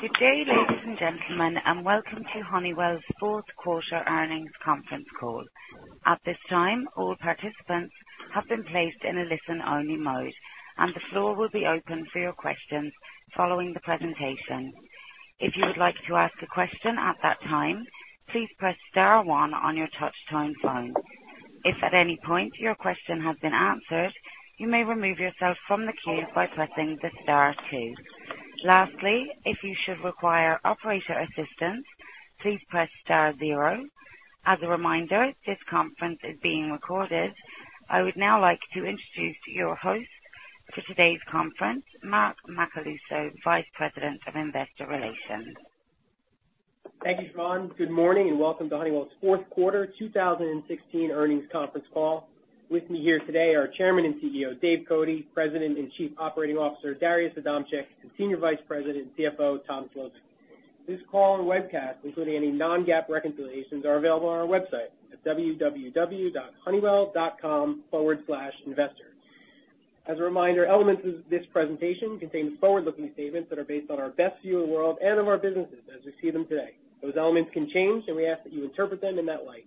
Good day, ladies and gentlemen, and welcome to Honeywell's fourth quarter earnings conference call. At this time, all participants have been placed in a listen-only mode, and the floor will be open for your questions following the presentation. If you would like to ask a question at that time, please press star one on your touchtone phone. If at any point your question has been answered, you may remove yourself from the queue by pressing star two. Lastly, if you should require operator assistance, please press star zero. As a reminder, this conference is being recorded. I would now like to introduce your host for today's conference, Mark Macaluso, Vice President of Investor Relations. Thank you, Sharon. Good morning, and welcome to Honeywell's fourth quarter 2016 earnings conference call. With me here today are Chairman and CEO, Dave Cote, President and Chief Operating Officer, Darius Adamczyk, and Senior Vice President and CFO, Tom Szlosek. This call and webcast, including any non-GAAP reconciliations, are available on our website at www.honeywell.com/investor. As a reminder, elements of this presentation contain forward-looking statements that are based on our best view of the world and of our businesses as we see them today. Those elements can change, and we ask that you interpret them in that light.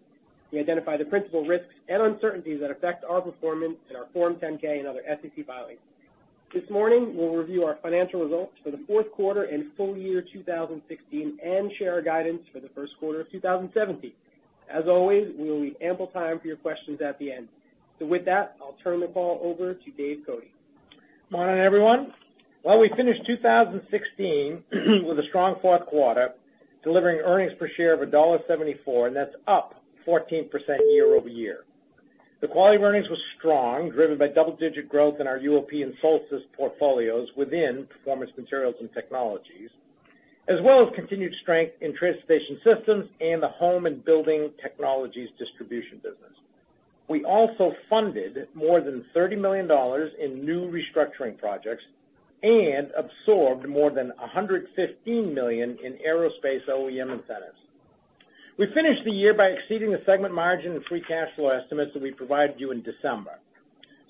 We identify the principal risks and uncertainties that affect our performance in our Form 10-K and other SEC filings. This morning, we'll review our financial results for the fourth quarter and full year 2016 and share our guidance for the first quarter of 2017. As always, we will leave ample time for your questions at the end. With that, I'll turn the call over to Dave Cote. Morning, everyone. We finished 2016 with a strong fourth quarter, delivering earnings per share of $1.74, and that's up 14% year-over-year. The quality of earnings was strong, driven by double-digit growth in our UOP and Solstice portfolios within Performance Materials and Technologies, as well as continued strength in transportation systems and the Home and Building Technologies distribution business. We also funded more than $30 million in new restructuring projects and absorbed more than $115 million in aerospace OEM incentives. We finished the year by exceeding the segment margin and free cash flow estimates that we provided you in December.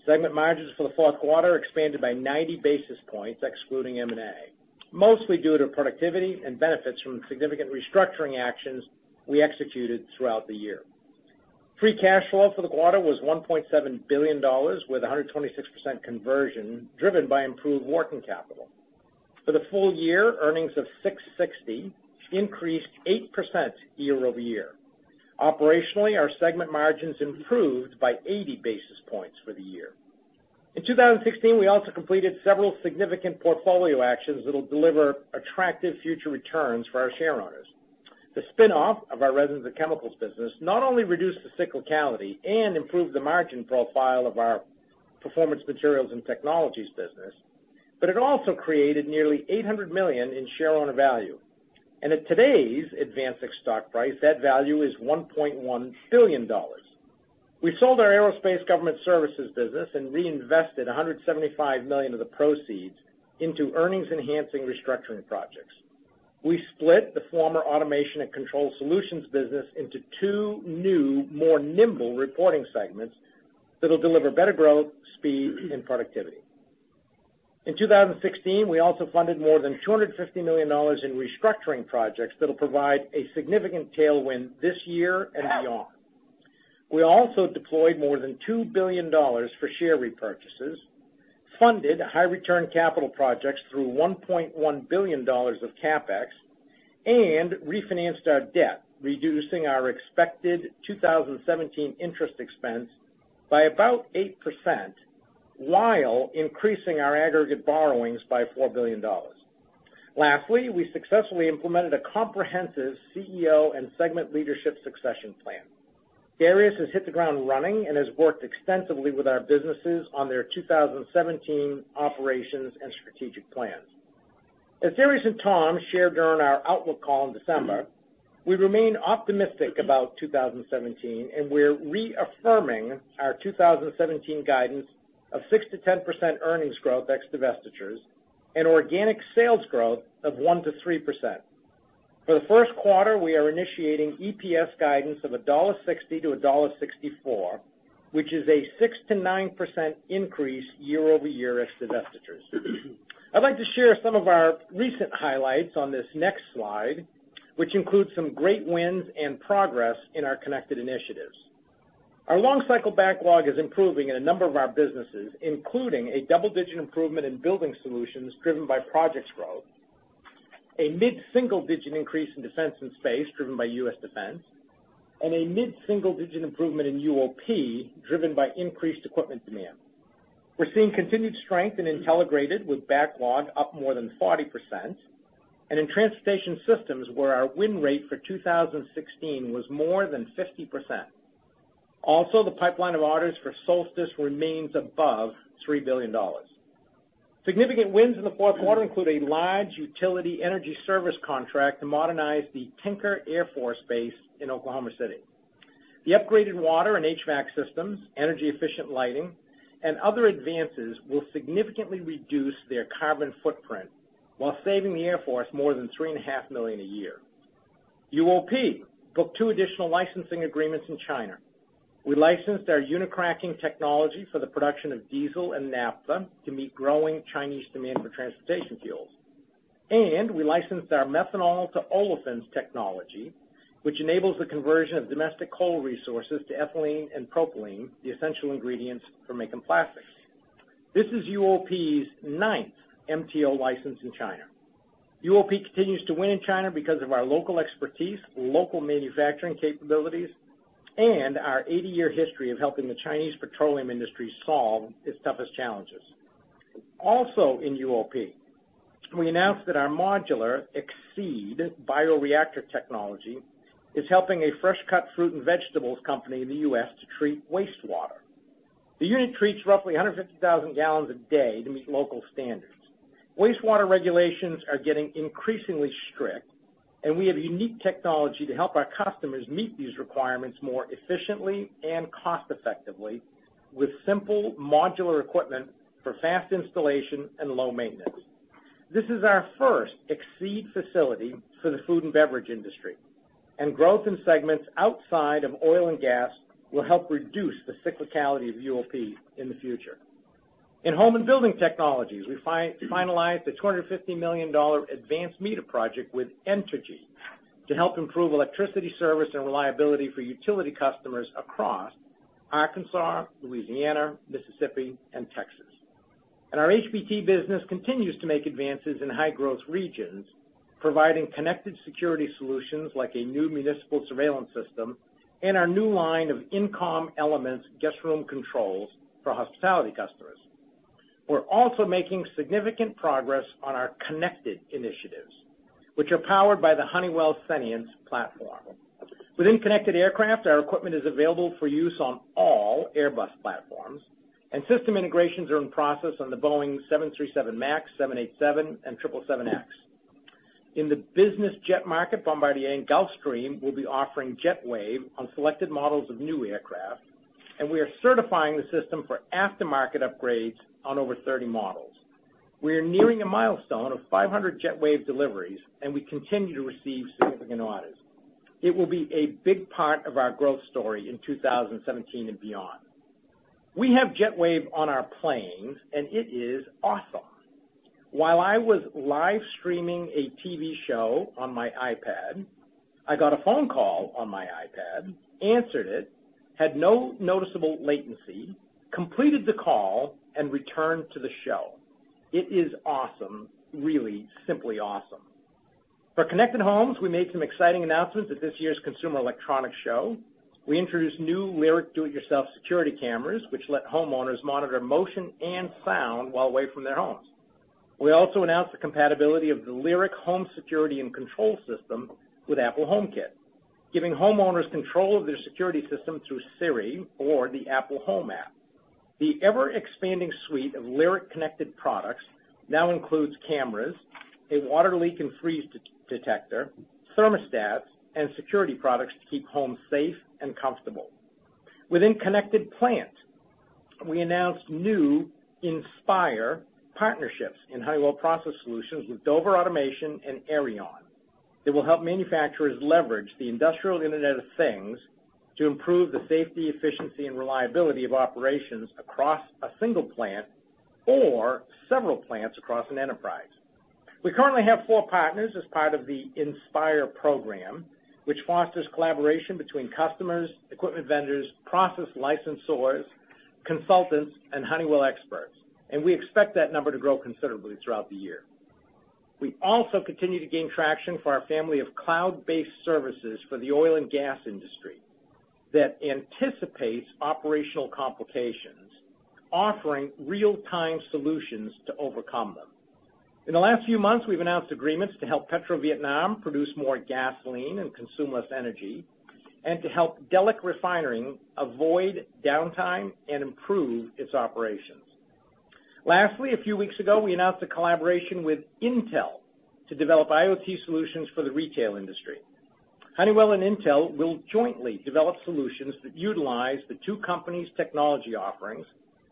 Segment margins for the fourth quarter expanded by 90 basis points excluding M&A, mostly due to productivity and benefits from significant restructuring actions we executed throughout the year. Free cash flow for the quarter was $1.7 billion, with 126% conversion, driven by improved working capital. For the full year, earnings of $6.60 increased 8% year-over-year. Operationally, our segment margins improved by 80 basis points for the year. In 2016, we also completed several significant portfolio actions that'll deliver attractive future returns for our shareowners. The spinoff of our resins and chemicals business not only reduced the cyclicality and improved the margin profile of our Performance Materials and Technologies business, but it also created nearly $800 million in shareowner value. At today's AdvanSix stock price, that value is $1.1 billion. We sold our aerospace government services business and reinvested $175 million of the proceeds into earnings-enhancing restructuring projects. We split the former Automation and Control Solutions business into two new, more nimble reporting segments that'll deliver better growth, speed, and productivity. In 2016, we also funded more than $250 million in restructuring projects that'll provide a significant tailwind this year and beyond. We also deployed more than $2 billion for share repurchases, funded high-return capital projects through $1.1 billion of CapEx, and refinanced our debt, reducing our expected 2017 interest expense by about 8% while increasing our aggregate borrowings by $4 billion. Lastly, we successfully implemented a comprehensive CEO and segment leadership succession plan. Darius has hit the ground running and has worked extensively with our businesses on their 2017 operations and strategic plans. As Darius and Tom shared during our outlook call in December, we remain optimistic about 2017, and we're reaffirming our 2017 guidance of 6%-10% earnings growth ex-divestitures and organic sales growth of 1%-3%. For the first quarter, we are initiating EPS guidance of $1.60-$1.64, which is a 6%-9% increase year-over-year ex-divestitures. I'd like to share some of our recent highlights on this next slide, which include some great wins and progress in our connected initiatives. Our long cycle backlog is improving in a number of our businesses, including a double-digit improvement in Building Solutions driven by project growth, a mid-single-digit increase in Defense and Space driven by U.S. Defense, and a mid-single-digit improvement in UOP driven by increased equipment demand. We're seeing continued strength in Intelligrated, with backlog up more than 40%, and in Transportation Systems, where our win rate for 2016 was more than 50%. The pipeline of orders for Solstice remains above $3 billion. Significant wins in the fourth quarter include a large utility energy service contract to modernize the Tinker Air Force Base in Oklahoma City. The upgraded water and HVAC systems, energy-efficient lighting, and other advances will significantly reduce their carbon footprint while saving the Air Force more than $3.5 million a year. UOP booked two additional licensing agreements in China. We licensed our Unicracking technology for the production of diesel and naphtha to meet growing Chinese demand for transportation fuels. We licensed our methanol to olefins technology, which enables the conversion of domestic coal resources to ethylene and propylene, the essential ingredients for making plastics. This is UOP's ninth MTO license in China. UOP continues to win in China because of our local expertise, local manufacturing capabilities, and our 80-year history of helping the Chinese petroleum industry solve its toughest challenges. In UOP, we announced that our modular XCeed bioreactor technology is helping a fresh cut fruit and vegetables company in the U.S. to treat wastewater. The unit treats roughly 150,000 gallons a day to meet local standards. Wastewater regulations are getting increasingly strict, we have unique technology to help our customers meet these requirements more efficiently and cost effectively with simple modular equipment for fast installation and low maintenance. This is our first XCeed facility for the food and beverage industry. Growth in segments outside of oil and gas will help reduce the cyclicality of UOP in the future. In Home and Building Technologies, we finalized a $250 million advanced meter project with Entergy to help improve electricity service and reliability for utility customers across Arkansas, Louisiana, Mississippi, and Texas. Our HBT business continues to make advances in high-growth regions, providing connected security solutions like a new municipal surveillance system and our new line of INNCOM Elements guest room controls for hospitality customers. We're also making significant progress on our connected initiatives, which are powered by the Honeywell Sentience platform. Within connected aircraft, our equipment is available for use on all Airbus platforms, system integrations are in process on the Boeing 737 MAX, 787, and 777X. In the business jet market, Bombardier and Gulfstream will be offering JetWave on selected models of new aircraft, we are certifying the system for aftermarket upgrades on over 30 models. We are nearing a milestone of 500 JetWave deliveries, we continue to receive significant orders. It will be a big part of our growth story in 2017 and beyond. We have JetWave on our planes, it is awesome. While I was live streaming a TV show on my iPad, I got a phone call on my iPad, answered it, had no noticeable latency, completed the call, returned to the show. It is awesome. Really, simply awesome. For connected homes, we made some exciting announcements at this year's Consumer Electronics Show. We introduced new Lyric do-it-yourself security cameras, which let homeowners monitor motion and sound while away from their homes. We also announced the compatibility of the Lyric Home Security and Control System with Apple HomeKit, giving homeowners control of their security system through Siri or the Apple Home app. The ever-expanding suite of Lyric connected products now includes cameras, a water leak and freeze detector, thermostats, and security products to keep homes safe and comfortable. Within Connected Plant, we announced new INspire partnerships in Honeywell Process Solutions with Dover Energy Automation and Aereon that will help manufacturers leverage the industrial Internet of Things to improve the safety, efficiency, and reliability of operations across a single plant or several plants across an enterprise. We currently have four partners as part of the INspire program, which fosters collaboration between customers, equipment vendors, process licensors, consultants, and Honeywell experts. We expect that number to grow considerably throughout the year. We also continue to gain traction for our family of cloud-based services for the oil and gas industry that anticipates operational complications, offering real-time solutions to overcome them. In the last few months, we've announced agreements to help PetroVietnam produce more gasoline and consume less energy to help Delek Refining avoid downtime and improve its operations. Lastly, a few weeks ago, we announced a collaboration with Intel to develop IoT solutions for the retail industry. Honeywell and Intel will jointly develop solutions that utilize the two companies' technology offerings,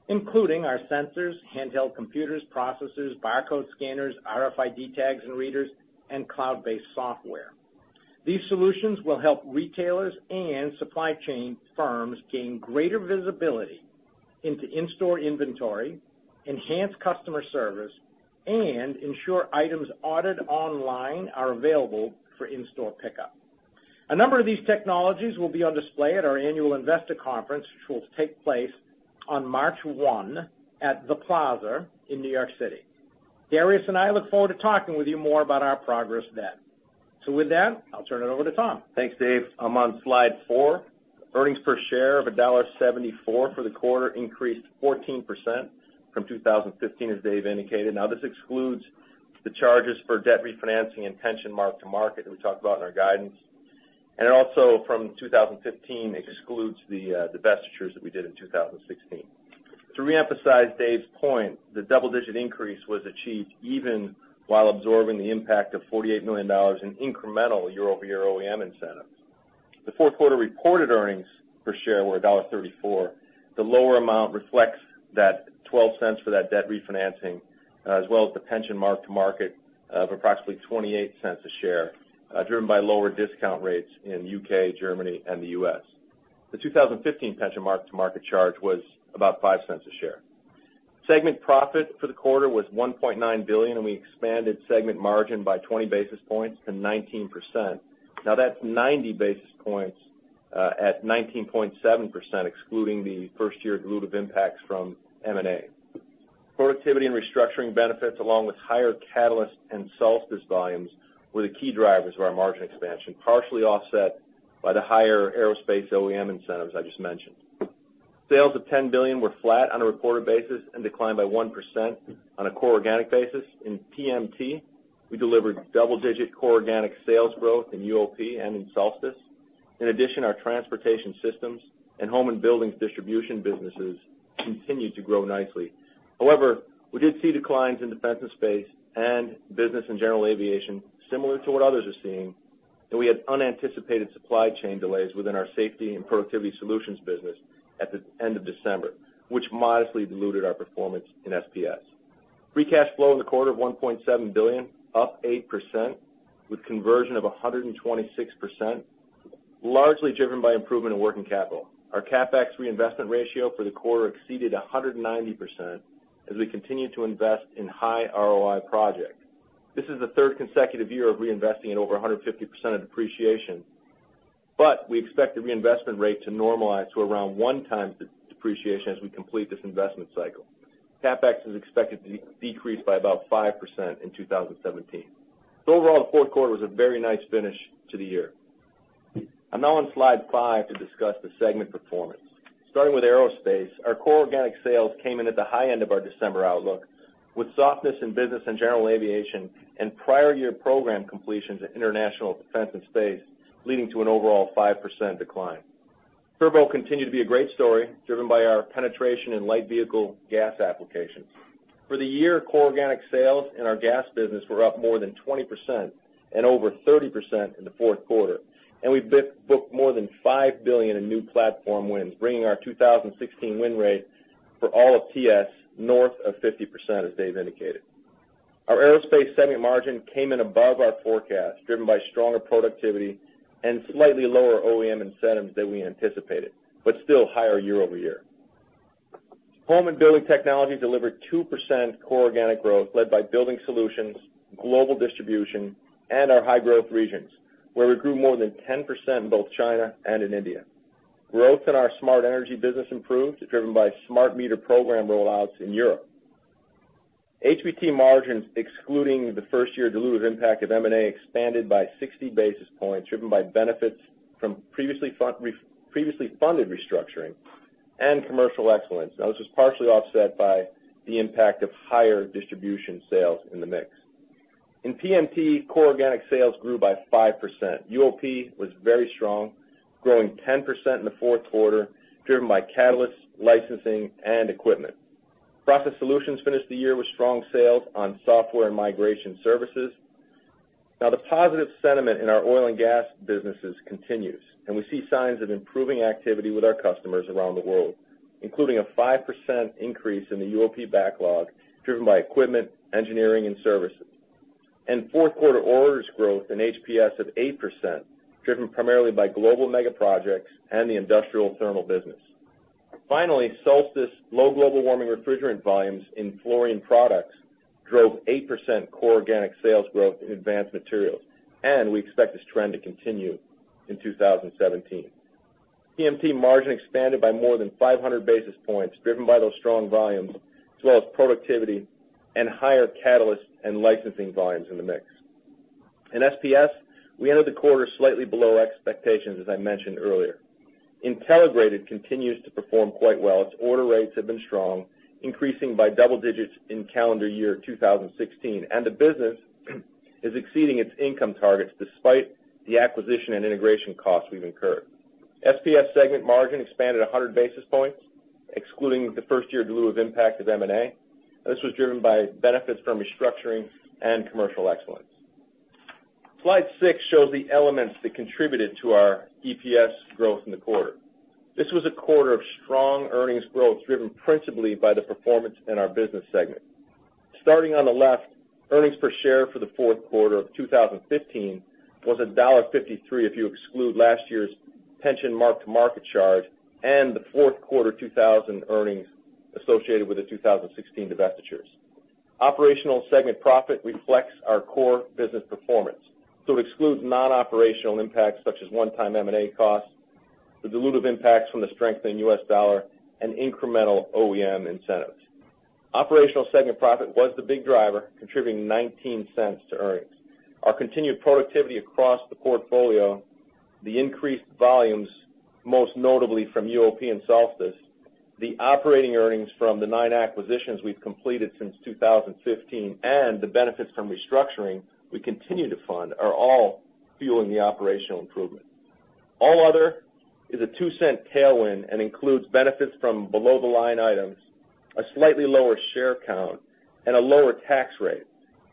including our sensors, handheld computers, processors, barcode scanners, RFID tags and readers, cloud-based software. These solutions will help retailers and supply chain firms gain greater visibility into in-store inventory, enhance customer service, and ensure items ordered online are available for in-store pickup. A number of these technologies will be on display at our annual investor conference, which will take place on March 1 at The Plaza in New York City. Darius and I look forward to talking with you more about our progress then. With that, I'll turn it over to Tom. Thanks, Dave. I'm on slide four. Earnings per share of $1.74 for the quarter increased 14% from 2015, as Dave indicated. This excludes the charges for debt refinancing and pension mark-to-market that we talked about in our guidance. Also from 2015 excludes the divestitures that we did in 2016. To reemphasize Dave's point, the double-digit increase was achieved even while absorbing the impact of $48 million in incremental year-over-year OEM incentive. The fourth quarter reported earnings per share were $1.34. The lower amount reflects that $0.12 for that debt refinancing, as well as the pension mark-to-market of approximately $0.28 a share, driven by lower discount rates in U.K., Germany, and the U.S. The 2015 pension mark-to-market charge was about $0.05 a share. Segment profit for the quarter was $1.9 billion, and we expanded segment margin by 20 basis points to 19%. That's 90 basis points at 19.7%, excluding the first year dilutive impacts from M&A. Productivity and restructuring benefits, along with higher catalyst and Solstice volumes, were the key drivers of our margin expansion, partially offset by the higher aerospace OEM incentives I just mentioned. Sales of $10 billion were flat on a reported basis and declined by 1% on a core organic basis. In PMT, we delivered double-digit core organic sales growth in UOP and in Solstice. In addition, our transportation systems and home and buildings distribution businesses continued to grow nicely. However, we did see declines in defense and space and business and general aviation, similar to what others are seeing, and we had unanticipated supply chain delays within our safety and productivity solutions business at the end of December, which modestly diluted our performance in SPS. Free cash flow in the quarter of $1.7 billion, up 8%, with conversion of 126%, largely driven by improvement in working capital. Our CapEx reinvestment ratio for the quarter exceeded 190% as we continue to invest in high ROI projects. This is the third consecutive year of reinvesting in over 150% of depreciation, but we expect the reinvestment rate to normalize to around one times the depreciation as we complete this investment cycle. CapEx is expected to decrease by about 5% in 2017. Overall, the fourth quarter was a very nice finish to the year. I'm now on slide five to discuss the segment performance. Starting with aerospace, our core organic sales came in at the high end of our December outlook, with softness in business and general aviation and prior year program completions in international Defense and Space, leading to an overall 5% decline. Turbo continued to be a great story, driven by our penetration in light vehicle gas applications. For the year, core organic sales in our gas business were up more than 20% and over 30% in the fourth quarter, and we booked more than $5 billion in new platform wins, bringing our 2016 win rate for all of TS north of 50%, as Dave indicated. Our Aerospace segment margin came in above our forecast, driven by stronger productivity and slightly lower OEM incentives than we anticipated, but still higher year-over-year. Home and Building Technologies delivered 2% core organic growth, led by Building Solutions, global distribution, and our high-growth regions, where we grew more than 10% in both China and in India. Growth in our smart energy business improved, driven by smart meter program rollouts in Europe. HBT margins, excluding the first year dilutive impact of M&A, expanded by 60 basis points, driven by benefits from previously funded restructuring and commercial excellence. This was partially offset by the impact of higher distribution sales in the mix. In PMT, core organic sales grew by 5%. UOP was very strong, growing 10% in the fourth quarter, driven by catalysts, licensing, and equipment. Process Solutions finished the year with strong sales on software and migration services. The positive sentiment in our oil and gas businesses continues, and we see signs of improving activity with our customers around the world, including a 5% increase in the UOP backlog, driven by equipment, engineering, and services. Fourth quarter orders growth in HPS of 8%, driven primarily by global mega projects and the industrial thermal business. Solstice low global warming refrigerant volumes in fluorine products drove 8% core organic sales growth in advanced materials, and we expect this trend to continue in 2017. PMT margin expanded by more than 500 basis points, driven by those strong volumes, as well as productivity and higher catalyst and licensing volumes in the mix. In SPS, we ended the quarter slightly below expectations, as I mentioned earlier. Intelligrated continues to perform quite well. Its order rates have been strong, increasing by double digits in calendar year 2016, and the business is exceeding its income targets, despite the acquisition and integration costs we've incurred. SPS segment margin expanded 100 basis points, excluding the first year dilutive impact of M&A. This was driven by benefits from restructuring and commercial excellence. Slide six shows the elements that contributed to our EPS growth in the quarter. This was a quarter of strong earnings growth, driven principally by the performance in our business segment. Earnings per share for the fourth quarter of 2015 was $1.53 if you exclude last year's pension mark-to-market charge and the fourth quarter 2015 earnings associated with the 2016 divestitures. Operational segment profit reflects our core business performance, so it excludes non-operational impacts such as one-time M&A costs, the dilutive impacts from the strengthening U.S. dollar, and incremental OEM incentives. Operational segment profit was the big driver, contributing $0.19 to earnings. Our continued productivity across the portfolio, the increased volumes, most notably from UOP and Solstice, the operating earnings from the nine acquisitions we've completed since 2015, and the benefits from restructuring we continue to fund are all fueling the operational improvement. All other is a $0.02 tailwind and includes benefits from below the line items, a slightly lower share count, and a lower tax rate,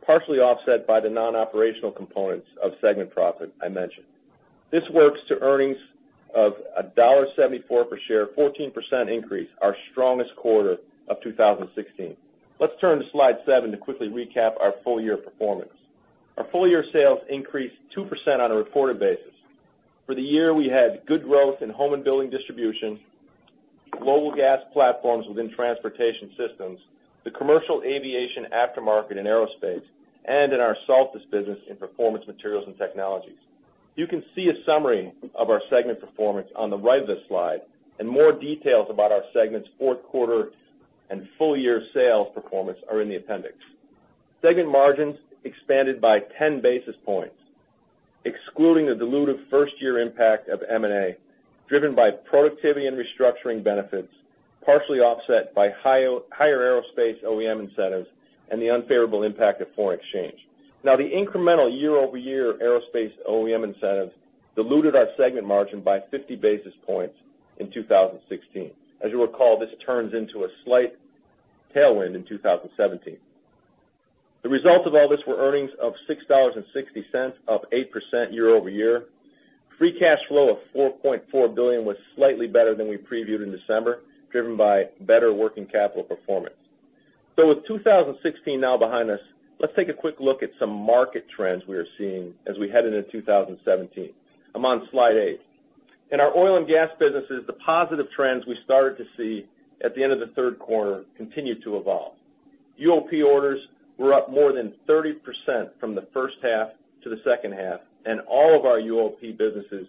partially offset by the non-operational components of segment profit I mentioned. This works to earnings of $1.74 per share, 14% increase, our strongest quarter of 2016. Let's turn to slide seven to quickly recap our full year performance. Our full year sales increased 2% on a reported basis. For the year, we had good growth in home and building distribution, global gas platforms within transportation systems, the commercial aviation aftermarket in aerospace, and in our Solstice business in Performance Materials and Technologies. You can see a summary of our segment performance on the right of this slide, and more details about our segment's fourth quarter and full year sales performance are in the appendix. Segment margins expanded by 10 basis points, excluding the dilutive first-year impact of M&A, driven by productivity and restructuring benefits, partially offset by higher aerospace OEM incentives and the unfavorable impact of foreign exchange. The incremental year-over-year aerospace OEM incentives diluted our segment margin by 50 basis points in 2016. As you'll recall, this turns into a slight tailwind in 2017. The result of all this were earnings of $6.60, up 8% year-over-year. Free cash flow of $4.4 billion was slightly better than we previewed in December, driven by better working capital performance. With 2016 now behind us, let's take a quick look at some market trends we are seeing as we head into 2017. I'm on slide eight. In our oil and gas businesses, the positive trends we started to see at the end of the third quarter continued to evolve. UOP orders were up more than 30% from the first half to the second half. All of our UOP businesses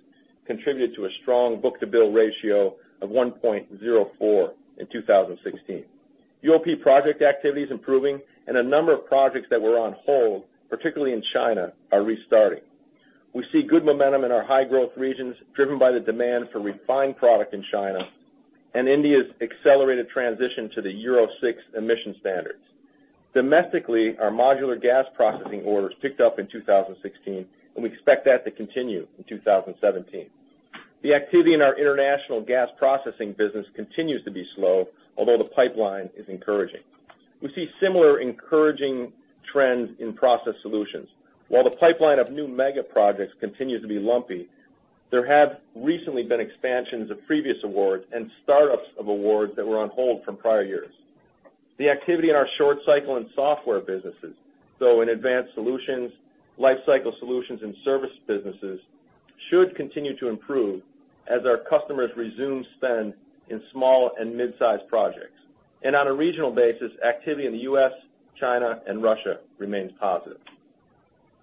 contributed to a strong book-to-bill ratio of 1.04 in 2016. UOP project activity is improving. A number of projects that were on hold, particularly in China, are restarting. We see good momentum in our high-growth regions, driven by the demand for refined product in China and India's accelerated transition to the Euro 6 emission standards. Domestically, our modular gas processing orders picked up in 2016. We expect that to continue in 2017. The activity in our international gas processing business continues to be slow, although the pipeline is encouraging. We see similar encouraging trends in process solutions. While the pipeline of new mega projects continues to be lumpy, there have recently been expansions of previous awards and startups of awards that were on hold from prior years. The activity in our short cycle and software businesses, so in advanced solutions, life cycle solutions, and service businesses, should continue to improve as our customers resume spend in small and mid-size projects. On a regional basis, activity in the U.S., China, and Russia remains positive.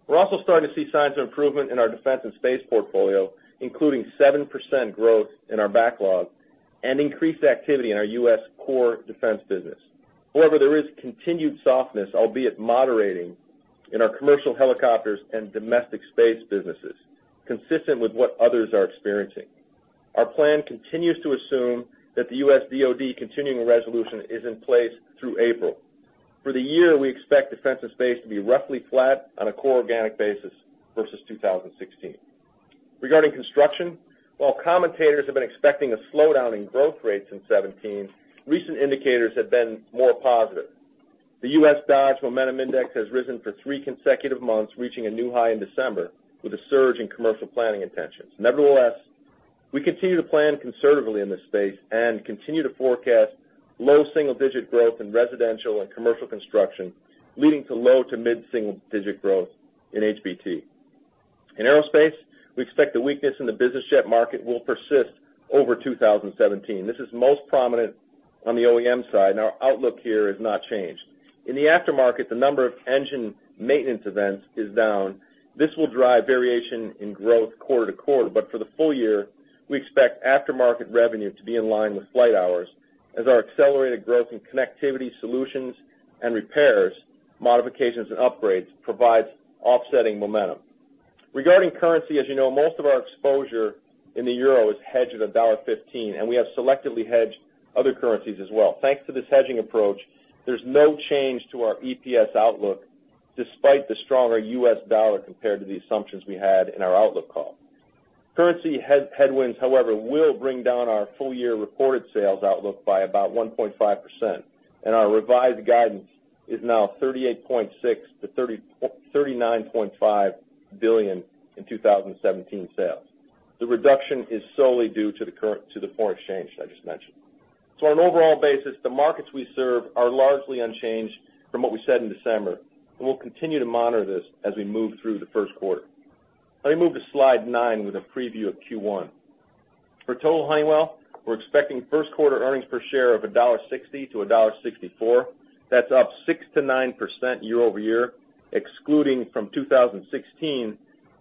We're also starting to see signs of improvement in our defense and space portfolio, including 7% growth in our backlog and increased activity in our U.S. core defense business. There is continued softness, albeit moderating, in our commercial helicopters and domestic space businesses, consistent with what others are experiencing. Our plan continues to assume that the U.S. DoD continuing resolution is in place through April. For the year, we expect defense and space to be roughly flat on a core organic basis versus 2016. Regarding construction, while commentators have been expecting a slowdown in growth rates in 2017, recent indicators have been more positive. The U.S. Dodge Momentum Index has risen for three consecutive months, reaching a new high in December with a surge in commercial planning intentions. Nevertheless, we continue to plan conservatively in this space and continue to forecast low single-digit growth in residential and commercial construction, leading to low to mid-single digit growth in HBT. In aerospace, we expect the weakness in the business jet market will persist over 2017. This is most prominent on the OEM side, and our outlook here has not changed. In the aftermarket, the number of engine maintenance events is down. This will drive variation in growth quarter to quarter. For the full year, we expect aftermarket revenue to be in line with flight hours as our accelerated growth in connectivity solutions and repairs, modifications, and upgrades provides offsetting momentum. Regarding currency, as you know, most of our exposure in the euro is hedged at $1.15, and we have selectively hedged other currencies as well. Thanks to this hedging approach, there's no change to our EPS outlook, despite the stronger U.S. dollar compared to the assumptions we had in our outlook call. Currency headwinds, however, will bring down our full-year reported sales outlook by about 1.5%, and our revised guidance is now $38.6 billion-$39.5 billion in 2017 sales. The reduction is solely due to the foreign exchange that I just mentioned. On an overall basis, the markets we serve are largely unchanged from what we said in December. We'll continue to monitor this as we move through the first quarter. Let me move to slide nine with a preview of Q1. For total Honeywell, we're expecting first quarter earnings per share of $1.60-$1.64. That's up 6%-9% year-over-year, excluding from 2016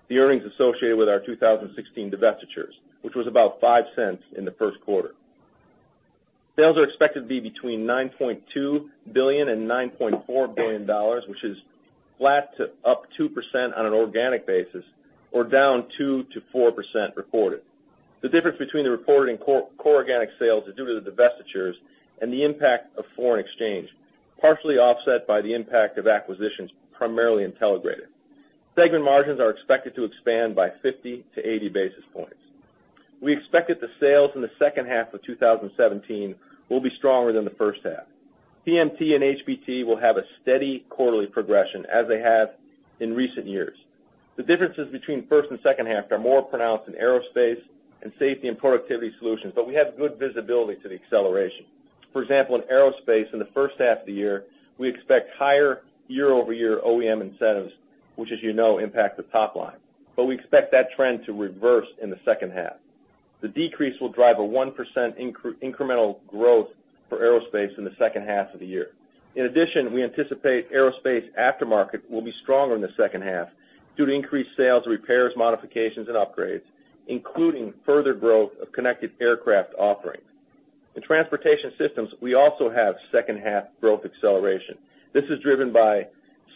the earnings associated with our 2016 divestitures, which was about $0.05 in the first quarter. Sales are expected to be between $9.2 billion and $9.4 billion, which is flat to up 2% on an organic basis or down 2%-4% reported. The difference between the reported and core organic sales is due to the divestitures and the impact of foreign exchange, partially offset by the impact of acquisitions, primarily Intelligrated. Segment margins are expected to expand by 50-80 basis points. We expected the sales in the second half of 2017 will be stronger than the first half. PMT and HBT will have a steady quarterly progression as they have in recent years. The differences between first and second half are more pronounced in aerospace and Safety and Productivity Solutions. We have good visibility to the acceleration. For example, in aerospace in the first half of the year, we expect higher year-over-year OEM incentives, which as you know impact the top line. We expect that trend to reverse in the second half. The decrease will drive a 1% incremental growth for aerospace in the second half of the year. In addition, we anticipate aerospace aftermarket will be stronger in the second half due to increased sales, repairs, modifications, and upgrades, including further growth of connected aircraft offerings. In transportation systems, we also have second half growth acceleration. This is driven by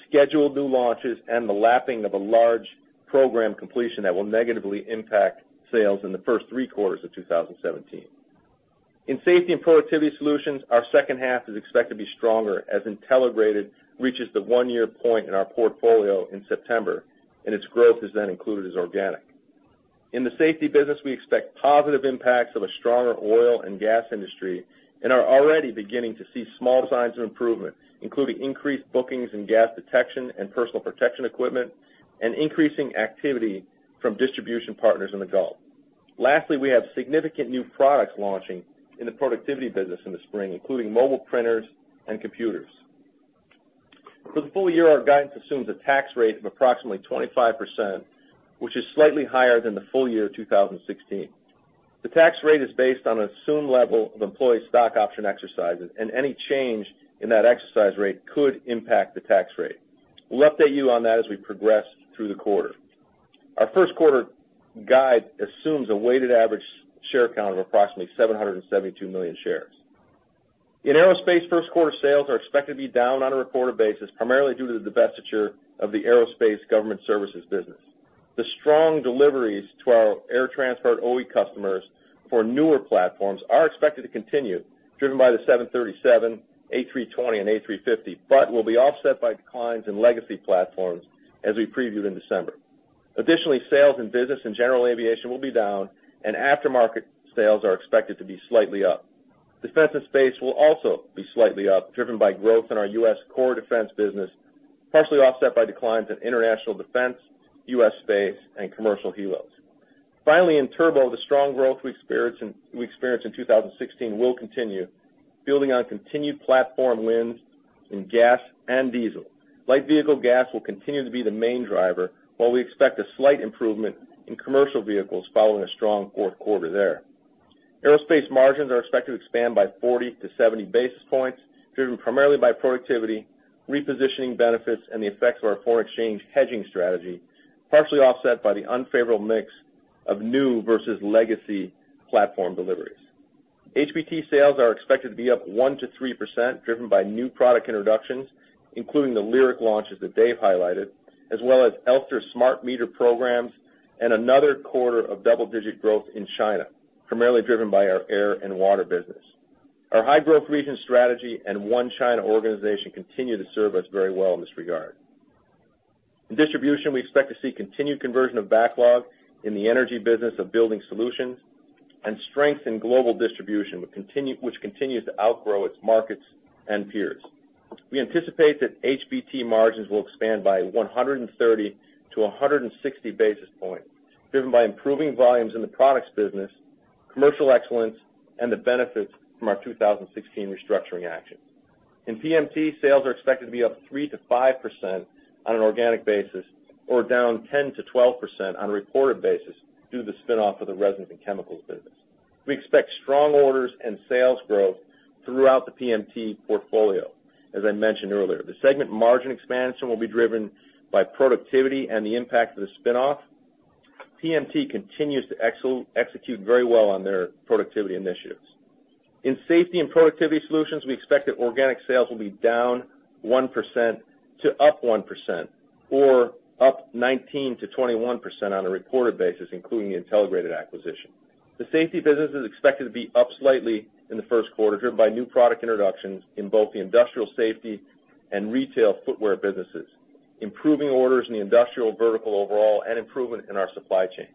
scheduled new launches and the lapping of a large program completion that will negatively impact sales in the first three quarters of 2017. In Safety and Productivity Solutions, our second half is expected to be stronger as Intelligrated reaches the one-year point in our portfolio in September, its growth is then included as organic. In the safety business, we expect positive impacts of a stronger oil and gas industry, are already beginning to see small signs of improvement, including increased bookings in gas detection and personal protection equipment, and increasing activity from distribution partners in the Gulf. Lastly, we have significant new products launching in the productivity business in the spring, including mobile printers and computers. For the full year, our guidance assumes a tax rate of approximately 25%, which is slightly higher than the full year 2016. The tax rate is based on assumed level of employee stock option exercises, any change in that exercise rate could impact the tax rate. We'll update you on that as we progress through the quarter. Our first quarter guide assumes a weighted average share count of approximately 772 million shares. In Aerospace, first quarter sales are expected to be down on a reported basis, primarily due to the divestiture of the aerospace government services business. The strong deliveries to our air transport OEM customers for newer platforms are expected to continue, driven by the 737, A320, and A350, will be offset by declines in legacy platforms as we previewed in December. Additionally, sales in business and general aviation will be down, aftermarket sales are expected to be slightly up. Defense and space will also be slightly up, driven by growth in our U.S. core defense business, partially offset by declines in international defense, U.S. space, and commercial helos. In turbo, the strong growth we experienced in 2016 will continue, building on continued platform wins in gas and diesel. Light vehicle gas will continue to be the main driver, while we expect a slight improvement in commercial vehicles following a strong fourth quarter there. Aerospace margins are expected to expand by 40 to 70 basis points, driven primarily by productivity, repositioning benefits, and the effects of our foreign exchange hedging strategy, partially offset by the unfavorable mix of new versus legacy platform deliveries. HBT sales are expected to be up 1%-3%, driven by new product introductions, including the Lyric launches that Dave highlighted, as well as Elster smart meter programs, another quarter of double-digit growth in China, primarily driven by our air and water business. Our high-growth region strategy and One China organization continue to serve us very well in this regard. In distribution, we expect to see continued conversion of backlog in the energy business of building solutions and strength in global distribution, which continues to outgrow its markets and peers. We anticipate that HBT margins will expand by 130 to 160 basis points, driven by improving volumes in the products business, commercial excellence, and the benefits from our 2016 restructuring actions. In PMT, sales are expected to be up 3%-5% on an organic basis or down 10%-12% on a reported basis due to the spin-off of the resins and chemicals business. We expect strong orders and sales growth throughout the PMT portfolio, as I mentioned earlier. The segment margin expansion will be driven by productivity and the impact of the spin-off. PMT continues to execute very well on their productivity initiatives. In Safety and Productivity Solutions, we expect that organic sales will be down -1% to 1%, or up 19%-21% on a reported basis, including the Intelligrated acquisition. The safety business is expected to be up slightly in the first quarter, driven by new product introductions in both the industrial safety and retail footwear businesses, improving orders in the industrial vertical overall, and improvement in our supply chain.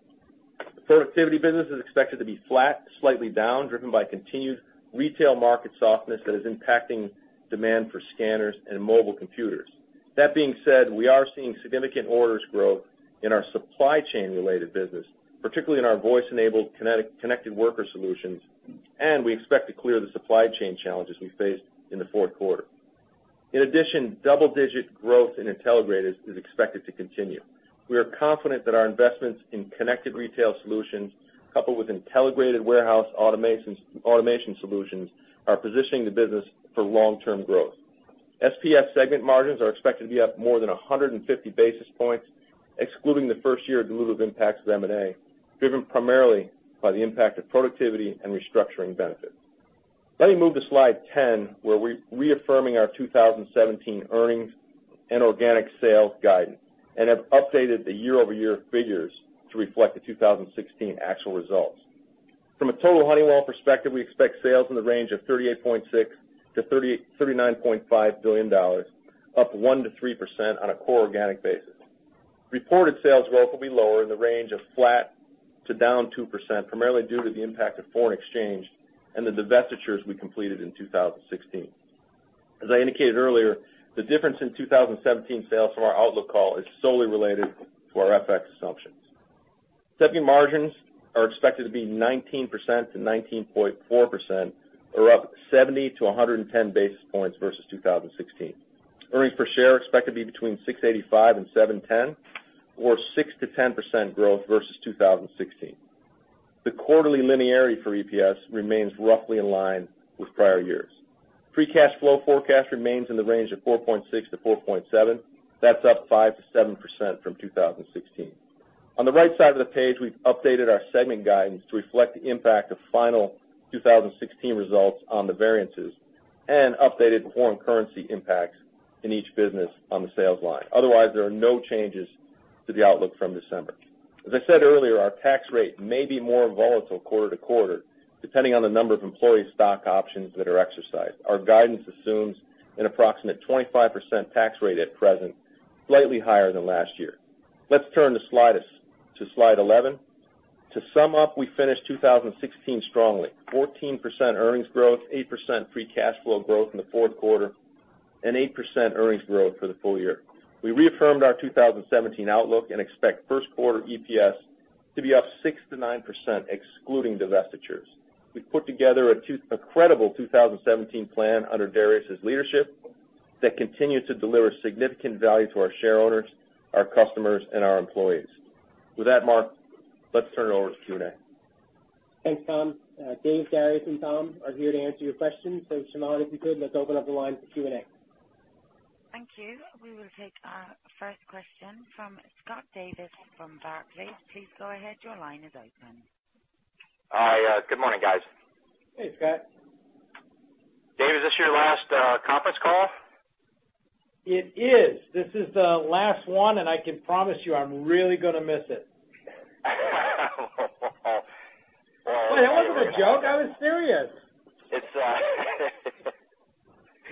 The productivity business is expected to be flat, slightly down, driven by continued retail market softness that is impacting demand for scanners and mobile computers. That being said, we are seeing significant orders growth in our supply chain-related business, particularly in our voice-enabled connected worker solutions, and we expect to clear the supply chain challenges we faced in the fourth quarter. In addition, double-digit growth in Intelligrated is expected to continue. We are confident that our investments in connected retail solutions, coupled with Intelligrated warehouse automation solutions, are positioning the business for long-term growth. SPS segment margins are expected to be up more than 150 basis points, excluding the first-year dilutive impacts of M&A, driven primarily by the impact of productivity and restructuring benefits. Let me move to slide 10, where we're reaffirming our 2017 earnings and organic sales guidance and have updated the year-over-year figures to reflect the 2016 actual results. From a total Honeywell perspective, we expect sales in the range of $38.6 billion-$39.5 billion, up 1%-3% on a core organic basis. Reported sales growth will be lower in the range of flat to -2%, primarily due to the impact of foreign exchange and the divestitures we completed in 2016. As I indicated earlier, the difference in 2017 sales from our outlook call is solely related to our FX assumptions. Segment margins are expected to be 19%-19.4%, or up 70 to 110 basis points versus 2016. Earnings per share are expected to be between $6.85 and $7.10, or 6%-10% growth versus 2016. The quarterly linearity for EPS remains roughly in line with prior years. Free cash flow forecast remains in the range of $4.6 billion-$4.7 billion. That's up 5%-7% from 2016. On the right side of the page, we've updated our segment guidance to reflect the impact of final 2016 results on the variances and updated foreign currency impacts in each business on the sales line. Otherwise, there are no changes to the outlook from December. As I said earlier, our tax rate may be more volatile quarter-to-quarter, depending on the number of employee stock options that are exercised. Our guidance assumes an approximate 25% tax rate at present, slightly higher than last year. Let's turn to Slide 11. To sum up, we finished 2016 strongly. 14% earnings growth, 8% free cash flow growth in the fourth quarter, and 8% earnings growth for the full year. We reaffirmed our 2017 outlook and expect first quarter EPS to be up 6% to 9%, excluding divestitures. We've put together a credible 2017 plan under Darius' leadership that continues to deliver significant value to our shareholders, our customers, and our employees. With that, Mark, let's turn it over to Q&A. Thanks, Tom. Dave, Darius, and Tom are here to answer your questions. Shemar, if you could, let's open up the line for Q&A. Thank you. We will take our first question from Scott Davis from Barclays. Please go ahead. Your line is open. Hi. Good morning, guys. Hey, Scott. Dave, is this your last conference call? It is. This is the last one, and I can promise you I'm really gonna miss it. Oh. It wasn't a joke. I was serious.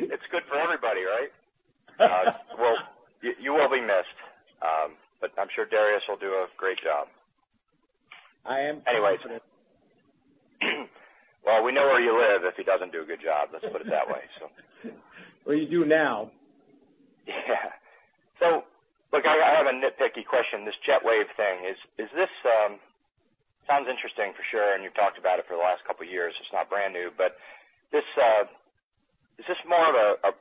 It's good for everybody, right? Well, you will be missed. I'm sure Darius will do a great job. I am confident. Anyways, well, we know where you live, if he doesn't do a good job, let's put it that way. Well, you do now. Yeah. Look, I have a nitpicky question. This JetWave thing, sounds interesting, for sure, you've talked about it for the last couple of years. It's not brand new, is this more of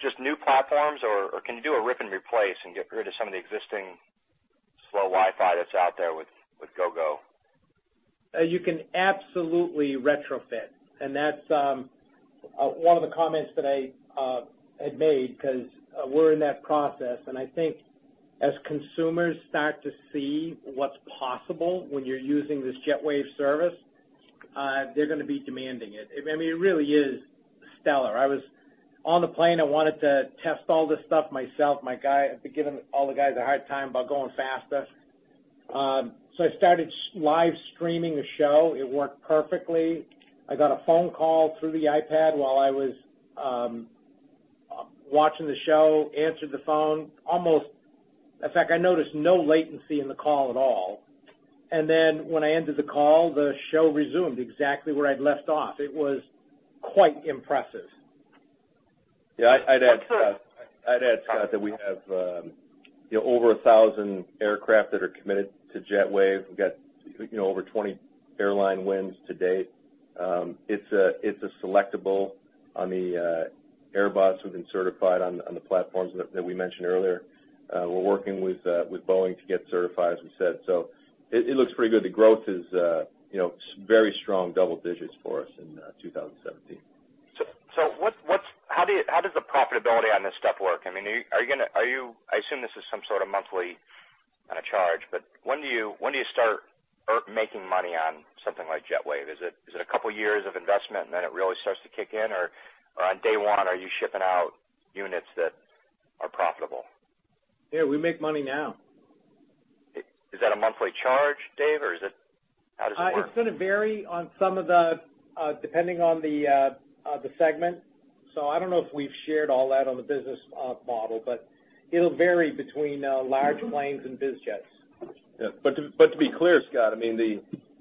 just new platforms, or can you do a rip and replace and get rid of some of the existing slow Wi-Fi that's out there with Gogo? You can absolutely retrofit, that's one of the comments that I had made, because we're in that process. I think as consumers start to see what's possible when you're using this JetWave service, they're going to be demanding it. It really is stellar. I was on the plane. I wanted to test all this stuff myself. I've been giving all the guys a hard time about going faster. I started live streaming a show. It worked perfectly. I got a phone call through the iPad while I was watching the show, answered the phone. In fact, I noticed no latency in the call at all. When I ended the call, the show resumed exactly where I'd left off. It was quite impressive. Yeah. I'd add, Scott, that we have over 1,000 aircraft that are committed to JetWave. We've got over 20 airline wins to date. It's a selectable on the Airbus. We've been certified on the platforms that we mentioned earlier. We're working with Boeing to get certified, as we said. It looks pretty good. The growth is very strong double digits for us in 2017. How does the profitability on this stuff work? I assume this is some sort of monthly charge, when do you start making money on something like JetWave? Is it a couple years of investment, then it really starts to kick in? On day one, are you shipping out units that are profitable? Yeah, we make money now. Is that a monthly charge, Dave? How does it work? It's gonna vary depending on the segment. I don't know if we've shared all that on the business model, but it'll vary between large planes and biz jets. Yeah. To be clear, Scott,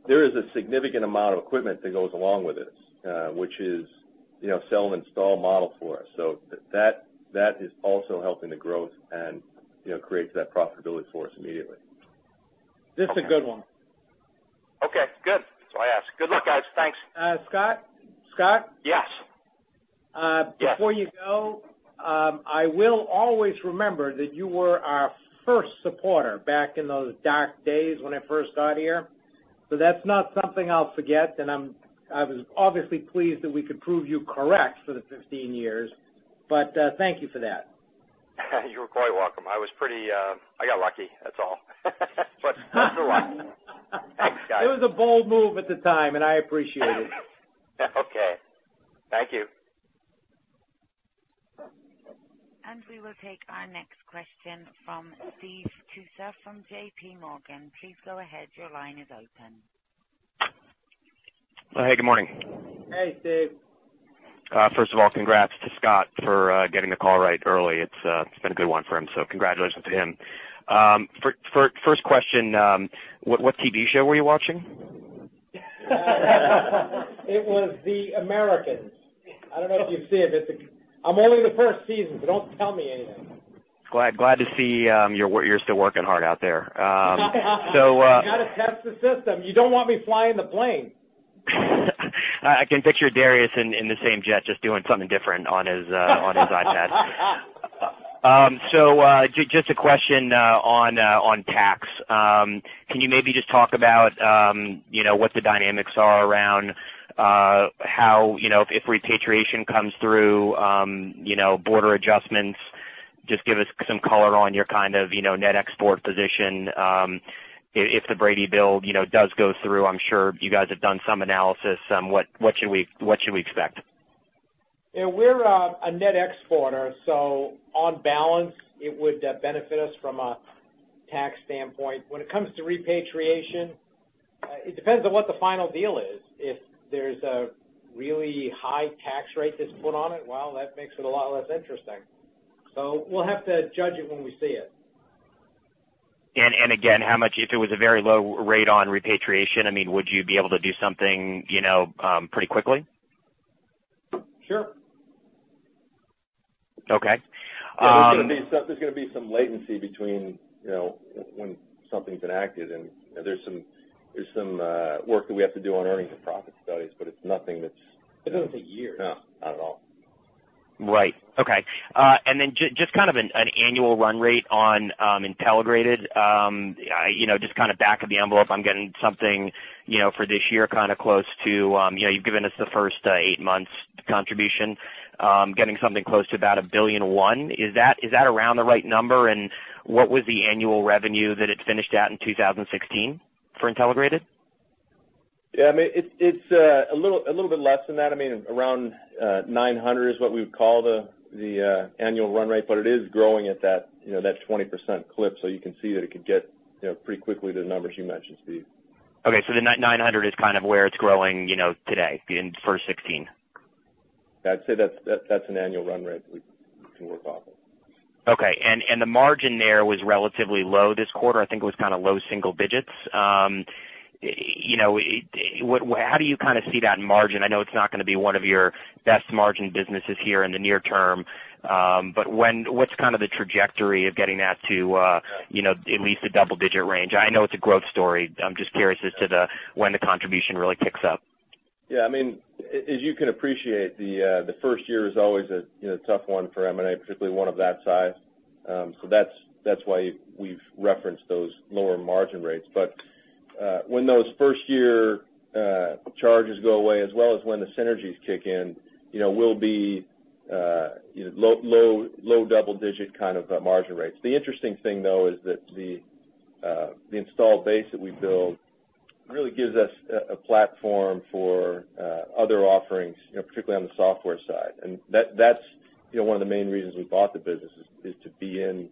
there is a significant amount of equipment that goes along with this, which is sell and install model for us. That is also helping the growth and creates that profitability for us immediately. This is a good one. Okay, good. That's why I asked. Good luck, guys. Thanks. Scott? Yes. Before you go, I will always remember that you were our first supporter back in those dark days when I first got here. That's not something I'll forget, I was obviously pleased that we could prove you correct for the 15 years, thank you for that. You're quite welcome. I got lucky, that's all. I've got the luck. Thanks, guys. It was a bold move at the time, and I appreciate it. Okay. Thank you. We will take our next question from Steve Tusa from JP Morgan. Please go ahead. Your line is open. Hey, good morning. Hey, Steve. First of all, congrats to Scott for getting the call right early. It's been a good one for him. Congratulations to him. First question, what TV show were you watching? It was "The Americans." I don't know if you see it. I'm only in the first season. Don't tell me anything. Glad to see you're still working hard out there. I've got to test the system. You don't want me flying the plane. I can picture Darius in the same jet, just doing something different on his iPad. Just a question on tax. Can you maybe just talk about what the dynamics are around how, if repatriation comes through, border adjustments, just give us some color on your kind of net export position? If the Brady plan does go through, I'm sure you guys have done some analysis. What should we expect? We're a net exporter, on balance, it would benefit us from a tax standpoint. When it comes to repatriation, it depends on what the final deal is. If there's a really high tax rate that's put on it, well, that makes it a lot less interesting. We'll have to judge it when we see it. Again, how much, if it was a very low rate on repatriation, would you be able to do something pretty quickly? Sure. Okay. There's going to be some latency between when something's enacted, and there's some work that we have to do on earnings and profit studies, but it's nothing. It doesn't take years. No, not at all. Right. Okay. Just kind of an annual run rate on Intelligrated. Just kind of back of the envelope, I'm getting something for this year, kind of close to, you've given us the first eight months contribution, getting something close to about $1.1 billion. Is that around the right number, and what was the annual revenue that it finished at in 2016 for Intelligrated? Yeah, it's a little bit less than that. Around $900 million is what we would call the annual run rate, but it is growing at that 20% clip, so you can see that it could get pretty quickly to the numbers you mentioned, Steve. Okay, the $900 million is kind of where it's growing today in first 2016. I'd say that's an annual run rate we can work off of. Okay. The margin there was relatively low this quarter. I think it was kind of low single digits. How do you kind of see that margin? I know it's not going to be one of your best margin businesses here in the near term. What's kind of the trajectory of getting that to at least a double-digit range? I know it's a growth story. I'm just curious as to when the contribution really kicks up. Yeah. As you can appreciate, the first year is always a tough one for M&A, particularly one of that size. That's why we've referenced those lower margin rates. When those first-year charges go away, as well as when the synergies kick in, we'll be low double-digit kind of margin rates. The interesting thing, though, is that the installed base that we build really gives us a platform for other offerings, particularly on the software side. That's one of the main reasons we bought the business, is to be in